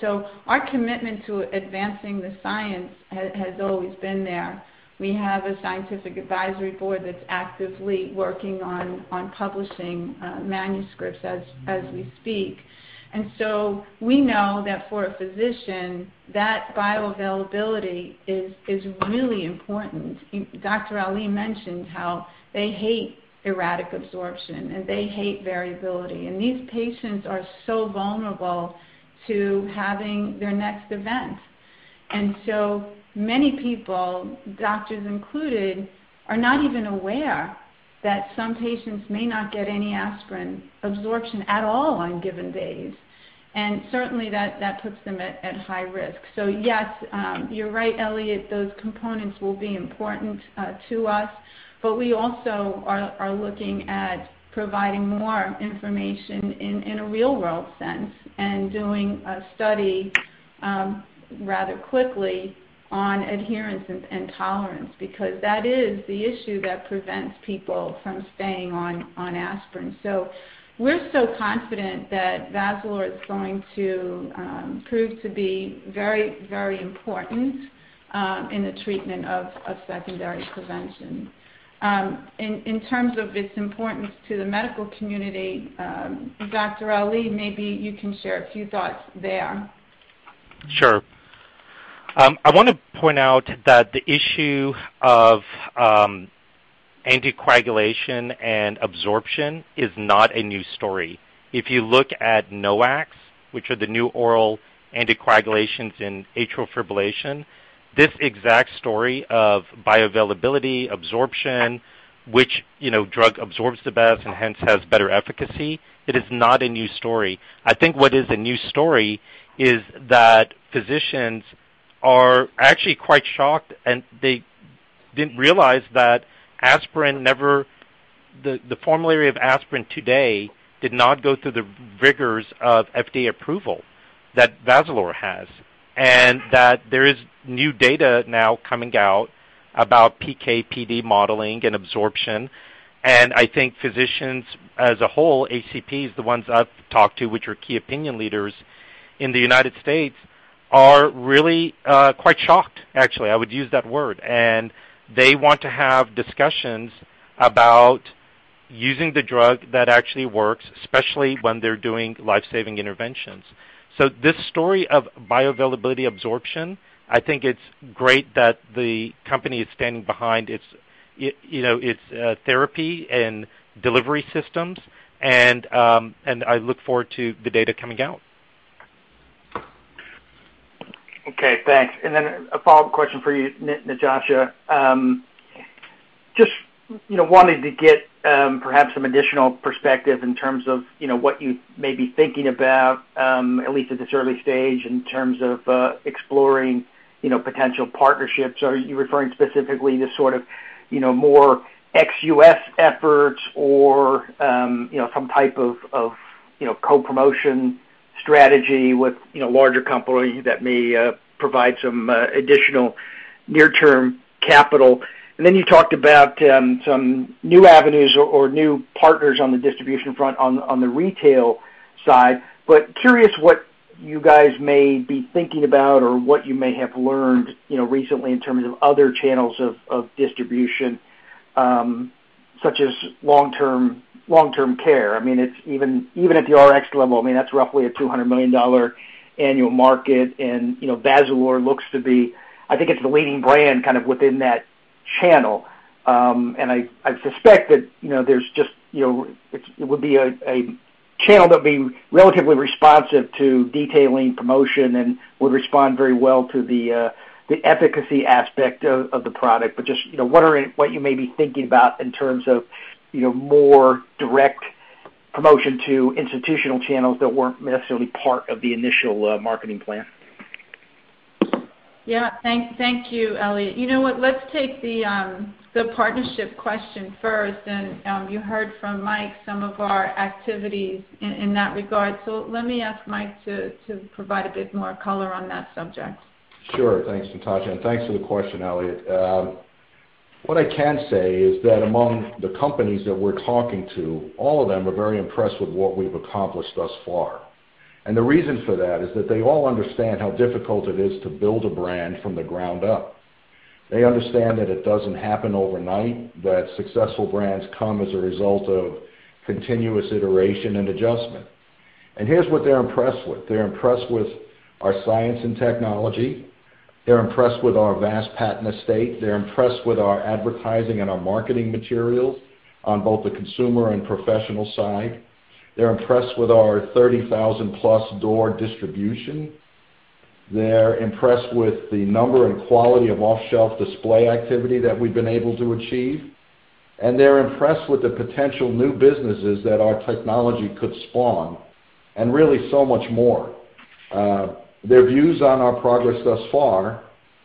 Our commitment to advancing the science has always been there. We have a scientific advisory board that's actively working on publishing manuscripts as we speak. We know that for a physician, that bioavailability is really important. Dr. Asif Ali mentioned how they hate erratic absorption, and they hate variability. These patients are so vulnerable to having their next event. Many people, doctors included, are not even aware that some patients may not get any aspirin absorption at all on given days. Certainly that puts them at high risk. Yes, you're right, Elliot, those components will be important to us. We also are looking at providing more information in a real-world sense, and doing a study rather quickly on adherence and tolerance, because that is the issue that prevents people from staying on aspirin. We're so confident that Vazalore is going to prove to be very important in the treatment of secondary prevention. In terms of its importance to the medical community, Dr. Ali, maybe you can share a few thoughts there. Sure. I wanna point out that the issue of anticoagulation and absorption is not a new story. If you look at NOACs, which are the new oral anticoagulations in atrial fibrillation, this exact story of bioavailability, absorption, which, you know, drug absorbs the best and hence has better efficacy, it is not a new story. I think what is a new story is that physicians are actually quite shocked, and they didn't realize that the formulary of aspirin today did not go through the rigors of FDA approval that Vazalore has. There is new data now coming out about PK/PD modeling and absorption. I think physicians as a whole, HCPs, the ones I've talked to, which are key opinion leaders in the United States, are really quite shocked, actually. I would use that word. They want to have discussions about using the drug that actually works, especially when they're doing life-saving interventions. This story of bioavailability absorption, I think it's great that the company is standing behind its, you know, its, therapy and delivery systems. I look forward to the data coming out. Okay, thanks. A follow-up question for you, Natasha. Just, you know, wanted to get, perhaps some additional perspective in terms of, you know, what you may be thinking about, at least at this early stage, in terms of, exploring, you know, potential partnerships. Are you referring specifically to sort of, you know, more ex-US efforts or, you know, some type of, co-promotion strategy with, you know, larger companies that may, provide some, additional near-term capital? You talked about, some new avenues or, new partners on the distribution front on, the retail side, but curious what you guys may be thinking about or what you may have learned, you know, recently in terms of other channels of, distribution, such as long-term care. I mean, it's. Even at the Rx level, I mean, that's roughly a $200 million annual market and, you know, Vazalore looks to be, I think it's the leading brand kind of within that channel. I suspect that, you know, there's just, you know, it would be a channel that would be relatively responsive to detailing promotion, and would respond very well to the efficacy aspect of the product. What you may be thinking about in terms of, you know, more direct-promotion to institutional channels that weren't necessarily part of the initial marketing plan? Yeah. Thank you, Elliot. You know what? Let's take the partnership question first, and you heard from Mike some of our activities in that regard. Let me ask Mike to provide a bit more color on that subject. Sure. Thanks, Natasha, and thanks for the question, Elliot. What I can say is that among the companies that we're talking to, all of them are very impressed with what we've accomplished thus far. The reason for that is that they all understand how difficult it is to build a brand from the ground up. They understand that it doesn't happen overnight, that successful brands come as a result of continuous iteration and adjustment. Here's what they're impressed with. They're impressed with our science and technology. They're impressed with our vast patent estate. They're impressed with our advertising and our marketing materials on both the consumer and professional side. They're impressed with our 30,000+ door distribution. They're impressed with the number and quality of off-shelf display activity that we've been able to achieve. They're impressed with the potential new businesses that our technology could spawn, and really, so much more. Their views on our progress thus far,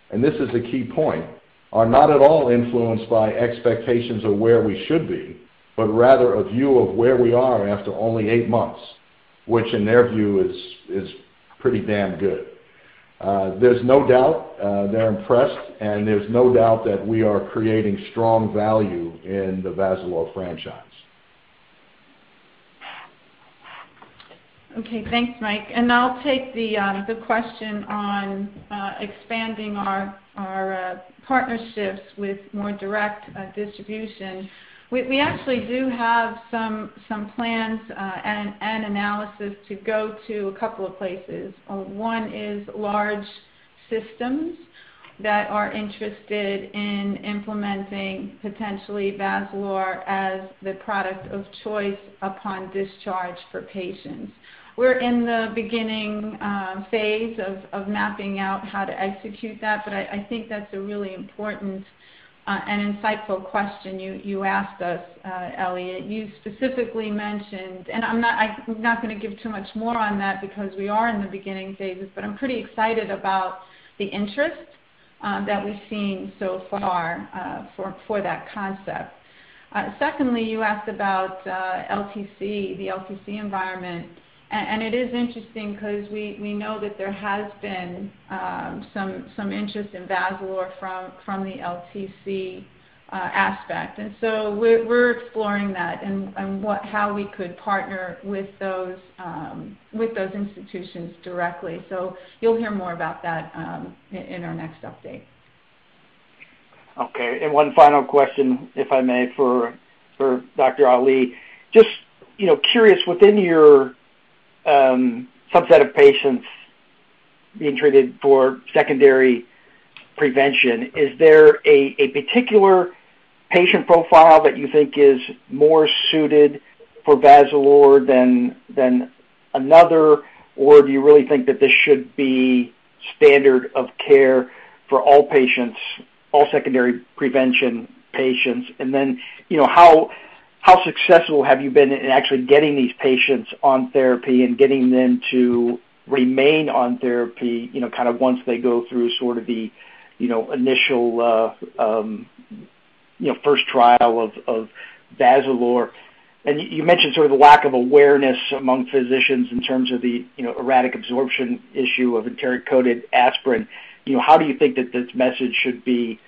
and this is a key point, are not at all influenced by expectations of where we should be, but rather a view of where we are after only eight months, which in their view is pretty damn good. There's no doubt, they're impressed, and there's no doubt that we are creating strong value in the Vazalore franchise. Okay. Thanks, Mike. I'll take the question on expanding our partnerships with more direct distribution. We actually do have some plans and analysis to go to a couple of places. One is large systems, that are interested in implementing potentially Vazalore as the product of choice upon discharge for patients. We're in the beginning phase of mapping out how to execute that, but I think that's a really important and insightful question you asked us, Elliot. You specifically mentioned. I'm not gonna give too much more on that because we are in the beginning phases, but I'm pretty excited about the interest that we've seen so far for that concept. Secondly, you asked about LTC, the LTC environment. It is interesting 'cause we know that there has been some interest in Vazalore from the LTC aspect. We're exploring that and how we could partner with those institutions directly. You'll hear more about that in our next update. Okay. One final question, if I may, for Dr. Asif Ali. Just, you know, curious within your subset of patients being treated for secondary prevention, is there a particular patient profile that you think is more suited for Vazalore than another, or do you really think that this should be standard of care for all patients, all secondary prevention patients? Then, you know, how successful have you been in actually getting these patients on therapy and getting them to remain on therapy, you know, kind of once they go through sort of the initial first trial of Vazalore? You mentioned sort of the lack of awareness among physicians in terms of the, you know, erratic absorption issue of enteric-coated aspirin. You know, how do you think that this message should be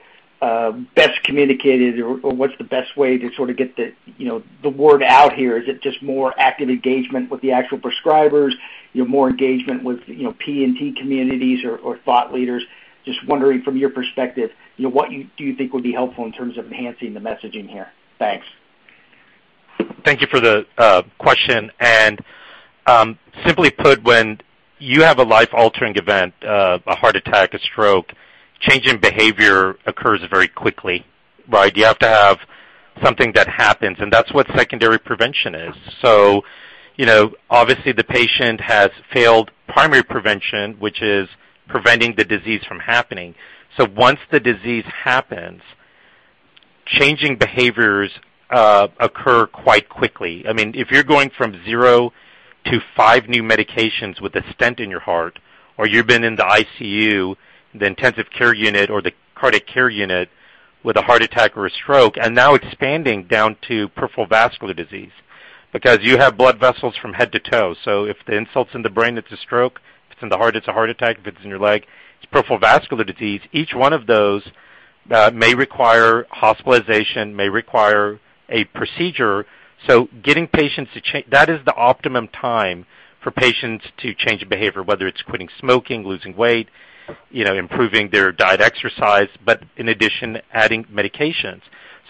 best communicated or what's the best way to sort of get the, you know, the word out here? Is it just more active engagement with the actual prescribers, you know, more engagement with, you know, P&T communities or thought leaders? Just wondering from your perspective, you know, what do you think would be helpful in terms of enhancing the messaging here? Thanks. Thank you for the question. Simply put, when you have a life-altering event, a heart attack, a stroke, change in behavior occurs very quickly, right? You have to have something that happens, and that's what secondary prevention is. You know, obviously the patient has failed primary prevention, which is preventing the disease from happening. Once the disease happens, changing behaviors occur quite quickly. I mean, if you're going from zero to five new medications with a stent in your heart, or you've been in the ICU, the intensive care unit or the cardiac care unit, with a heart attack or a stroke, and now expanding down to peripheral vascular disease because you have blood vessels from head to toe. If the insult's in the brain, it's a stroke, if it's in the heart, it's a heart attack, if it's in your leg, it's peripheral vascular disease. Each one of those may require hospitalization, may require a procedure. Getting patients to that is the optimum time for patients to change behavior, whether it's quitting smoking, losing weight, you know, improving their diet exercise, but in addition, adding medications.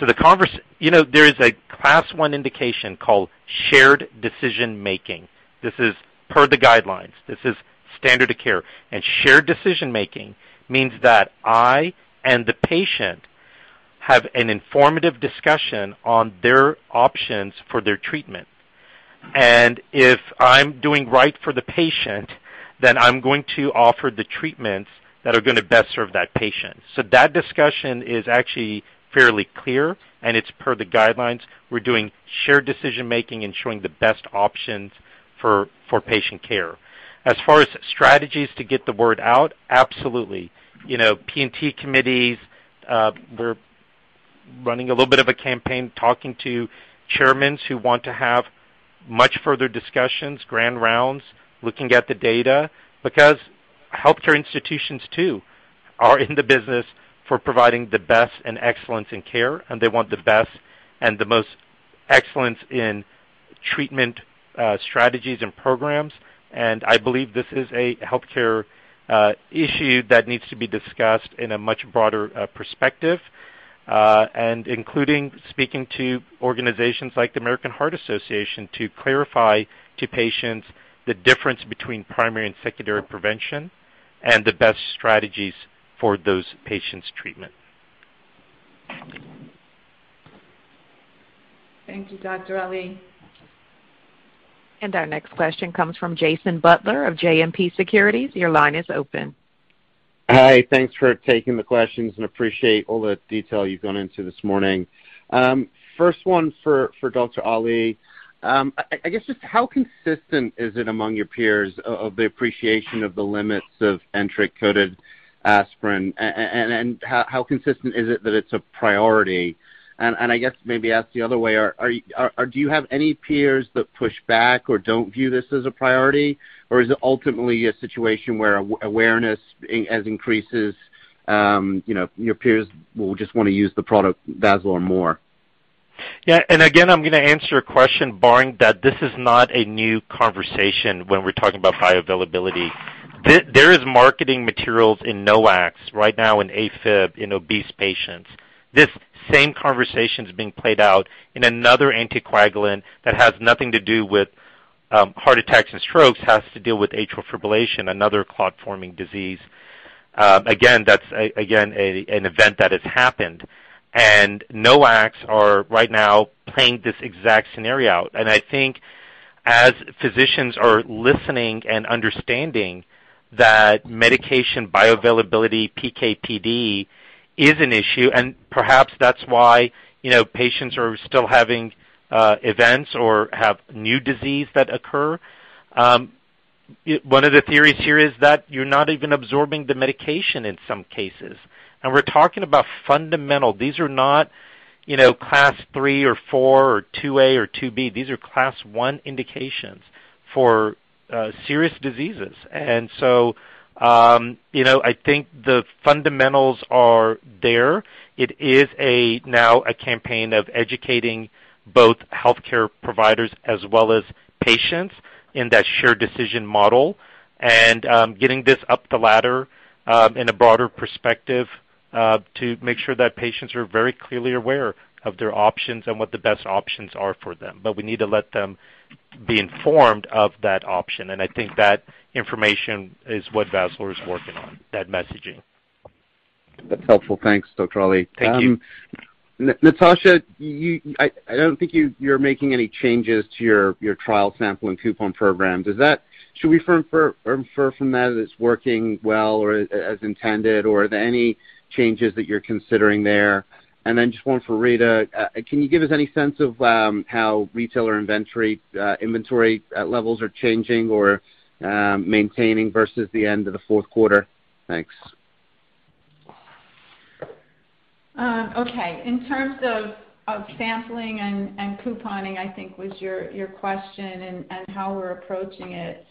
The converse. You know, there is a class one indication called shared decision-making. This is per the guidelines. This is standard of care. Shared decision-making means that I and the patient have an informative discussion on their options for their treatment. If I'm doing right for the patient, then I'm going to offer the treatments that are gonna best serve that patient. That discussion is actually fairly clear, and it's per the guidelines. We're doing shared decision-making and showing the best options for patient care. As far as strategies to get the word out, absolutely. You know, P&T committees, we're running a little bit of a campaign talking to chairmen who want to have much further discussions, grand rounds, looking at the data because healthcare institutions too are in the business for providing the best and excellence in care, and they want the best and the most excellence in treatment strategies and programs. I believe this is a healthcare issue that needs to be discussed in a much broader perspective, and including speaking to organizations like the American Heart Association to clarify to patients the difference between primary and secondary prevention and the best strategies for those patients' treatment. Thank you, Dr. Ali. Our next question comes from Jason Butler of JMP Securities. Your line is open. Hi. Thanks for taking the questions and appreciate all the detail you've gone into this morning. First one for Dr. Ali. I guess just how consistent is it among your peers of the appreciation of the limits of enteric-coated aspirin? How consistent is it that it's a priority? I guess maybe asked the other way, do you have any peers that push back or don't view this as a priority? Is it ultimately a situation where awareness as increases, you know, your peers will just wanna use the product, Vazalore, more? Yeah. Again, I'm gonna answer your question barring that this is not a new conversation when we're talking about bioavailability. There is marketing materials in NOACs right now in AFib in obese patients. This same conversation's being played out in another anticoagulant that has nothing to do with heart attacks and strokes, has to deal with atrial fibrillation, another clot-forming disease. Again, that's an event that has happened. NOACs are right now playing this exact scenario. I think as physicians are listening and understanding that medication bioavailability PK/PD is an issue, and perhaps that's why, you know, patients are still having events or have new disease that occur. One of the theories here is that you're not even absorbing the medication in some cases. We're talking about fundamental. These are not, you know, class three or four or two A or two B. These are class one indications for serious diseases. I think the fundamentals are there. It is now a campaign of educating both healthcare providers as well as patients in that shared decision model, and getting this up the ladder in a broader perspective to make sure that patients are very clearly aware of their options and what the best options are for them. We need to let them be informed of that option, and I think that information is what Vazalore is working on, that messaging. That's helpful. Thanks, Dr. Asif Ali. Thank you. Natasha, I don't think you're making any changes to your trial sample and coupon program. Should we infer from that it's working well or as intended, or are there any changes that you're considering there? Just one for Rita. Can you give us any sense of how retailer inventory levels are changing or maintaining versus the end of the fourth quarter? Thanks. In terms of sampling and couponing, I think was your question and how we're approaching it.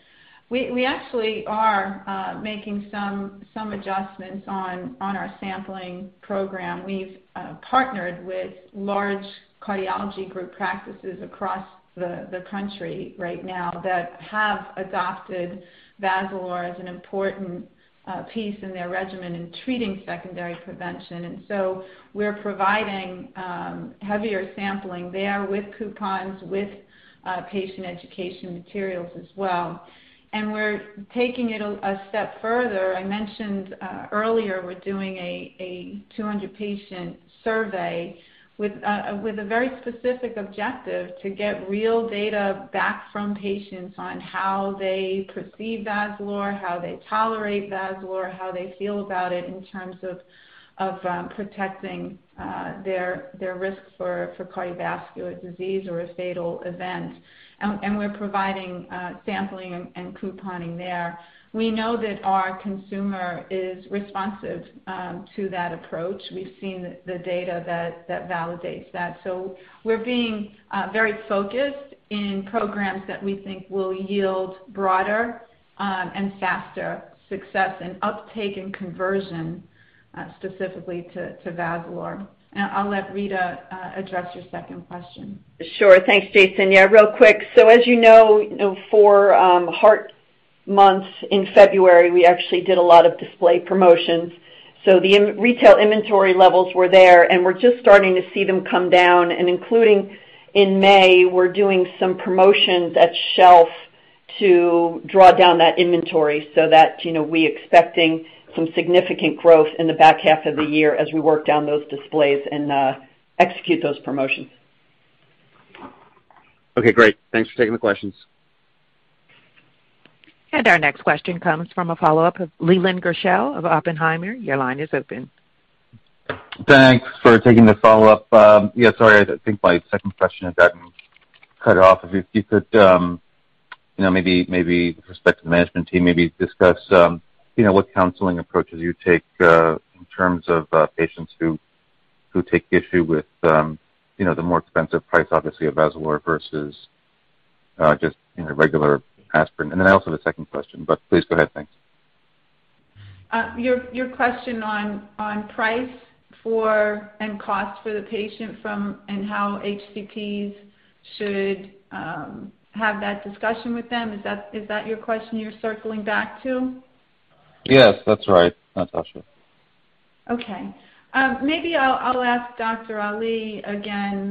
We actually are making some adjustments on our sampling program. We've partnered with large cardiology group practices across the country right now that have adopted Vazalore as an important piece in their regimen in treating secondary prevention. We're providing heavier sampling there with coupons, with patient education materials as well. We're taking it a step further. I mentioned earlier we're doing a 200 patient survey with a very specific objective to get real data back from patients on how they perceive Vazalore, how they tolerate Vazalore, how they feel about it in terms of protecting their risk for cardiovascular disease or a fatal event. We're providing sampling and couponing there. We know that our consumer is responsive to that approach. We've seen the data that validates that. We're being very focused in programs that we think will yield broader and faster success, and uptake in conversion specifically to Vazalore. I'll let Rita address your second question. Sure. Thanks, Jason. Yeah, real quick. As you know, you know, for heart month in February, we actually did a lot of display promotions. The retail inventory levels were there, and we're just starting to see them come down. Including in May, we're doing some promotions at shelf to draw down that inventory so that, you know, we expecting some significant growth in the back-half of the year as we work down those displays and execute those promotions. Okay, great. Thanks for taking the questions. Our next question comes from a follow-up of Leland Gershell of Oppenheimer. Your line is open. Thanks for taking the follow-up. Yeah, sorry. I think my second question had gotten cut off. If you could, you know, maybe with respect to the management team, maybe discuss, you know, what counseling approaches you take, in terms of, patients who take issue with, you know, the more expensive price obviously of Vazalore versus, just, you know, regular aspirin. I also have a second question, but please go ahead. Thanks. Your question on pricing and cost for the patient, and how HCPs should have that discussion with them. Is that your question you're circling back to? Yes, that's right, Natasha. Okay. Maybe I'll ask Dr. Ali again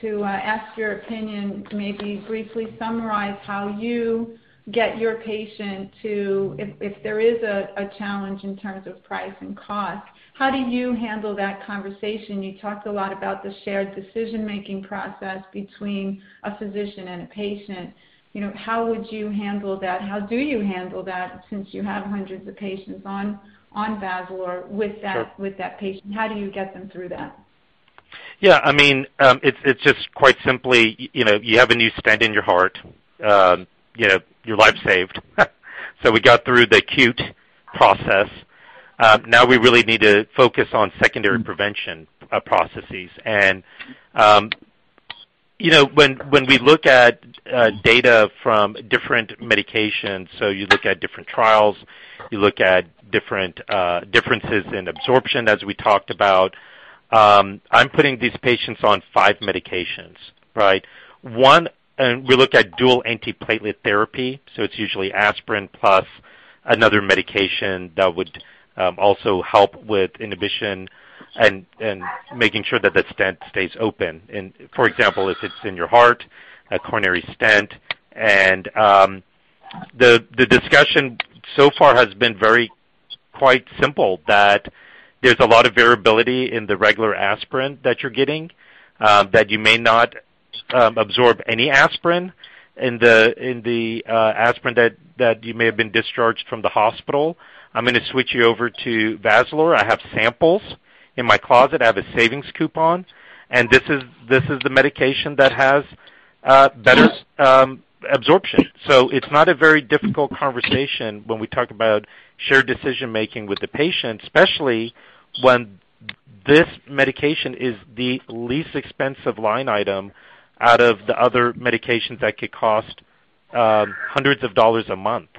to ask your opinion to maybe briefly summarize how you get your patient to, if there is a challenge in terms of price and cost, how do you handle that conversation? You talked a lot about the shared decision-making process between a physician and a patient. You know, how would you handle that? How do you handle that since you have hundreds of patients on Vazalore with that. Sure. With that patient, how do you get them through that? Yeah, I mean, it's just quite simply, you know, you have a new stent in your heart, you know, your life's saved. We got through the acute process. Now we really need to focus on secondary prevention processes. You know, when we look at data from different medications, you look at different trials, you look at different differences in absorption as we talked about. I'm putting these patients on five medications, right? We looked at dual antiplatelet therapy, so it's usually aspirin plus another medication that would also help with inhibition, and making sure that the stent stays open. For example, if it's in your heart, a coronary stent. The discussion so far has been very quite simple, that there's a lot of variability in the regular aspirin that you're getting, that you may not absorb any aspirin in the aspirin that you may have been discharged from the hospital. I'm gonna switch you over to Vazalore. I have samples in my closet. I have a savings coupon. This is the medication that has better absorption. It's not a very difficult conversation when we talk about shared decision-making with the patient, especially when this medication is the least expensive line item out of the other medications that could cost hundreds of dollars a month.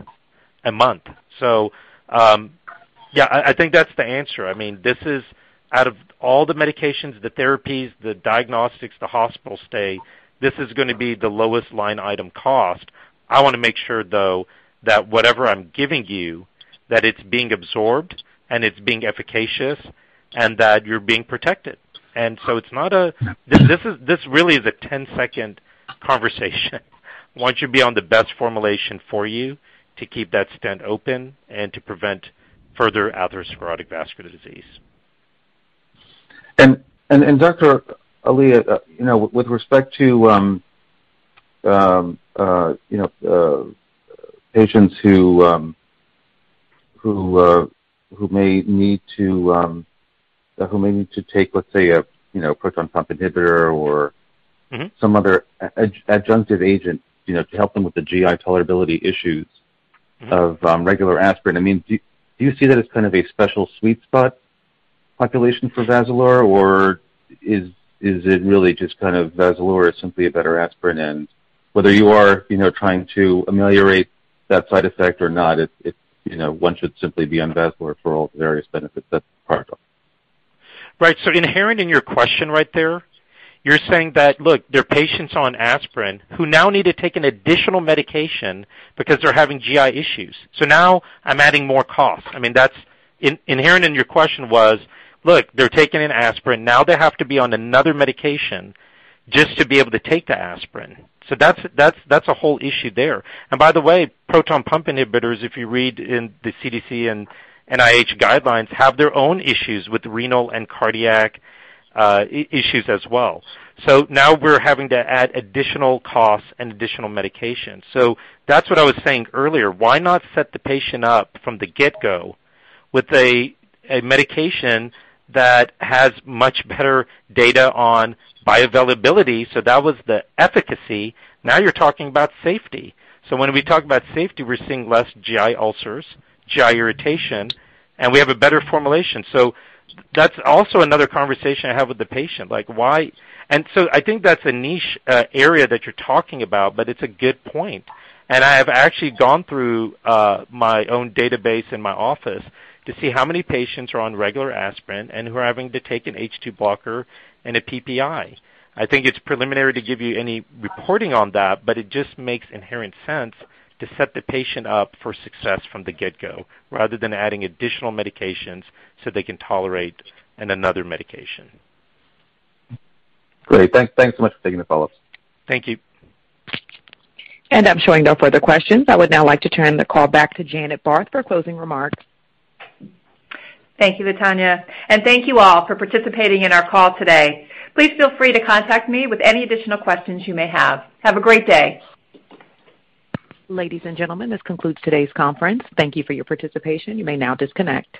Yeah, I think that's the answer. I mean, this is out of all the medications, the therapies, the diagnostics, the hospital stay, this is gonna be the lowest line item cost. I wanna make sure, though, that whatever I'm giving you, that it's being absorbed, and it's being efficacious, and that you're being protected. This really is a ten-second conversation. Want you to be on the best formulation for you to keep that stent open, and to prevent further atherosclerotic vascular disease. Dr. Asif Ali, you know, with respect to, you know, patients who may need to take, let's say, a, you know, proton pump inhibitor or- Mm-hmm. Some other adjunctive agent, you know, to help them with the GI tolerability issues. Mm-hmm. Of regular aspirin. I mean, do you see that as kind of a special sweet spot population for Vazalore, or is it really just kind of Vazalore is simply a better aspirin and whether you are, you know, trying to ameliorate that side effect or not, it's you know, one should simply be on Vazalore for all the various benefits that's part of? Right. Inherent in your question right there, you're saying that look, they're patients on aspirin who now need to take an additional medication because they're having GI issues. Now I'm adding more cost. I mean, that's inherent in your question was, look, they're taking an aspirin. Now they have to be on another medication just to be able to take the aspirin. That's a whole issue there. By the way, proton pump inhibitors, if you read in the CDC and NIH guidelines, have their own issues with renal and cardiac issues as well. Now we're having to add additional costs and additional medications. That's what I was saying earlier. Why not set the patient up from the get-go with a medication that has much better data on bioavailability? That was the efficacy. Now you're talking about safety. When we talk about safety, we're seeing less GI ulcers, GI irritation, and we have a better formulation. That's also another conversation I have with the patient, like why. I think that's a niche area that you're talking about, but it's a good point. I have actually gone through my own database in my office to see how many patients are on regular aspirin, and who are having to take an H2 blocker and a PPI. I think it's preliminary to give you any reporting on that, but it just makes inherent sense to set the patient up for success from the get-go, rather than adding additional medications so they can tolerate and another medication. Great. Thanks so much for taking the follow-ups. Thank you. I'm showing no further questions. I would now like to turn the call back to Janet Barth for closing remarks. Thank you, Latonya, and thank you all for participating in our call today. Please feel free to contact me with any additional questions you may have. Have a great day. Ladies and gentlemen, this concludes today's conference. Thank you for your participation. You may now disconnect.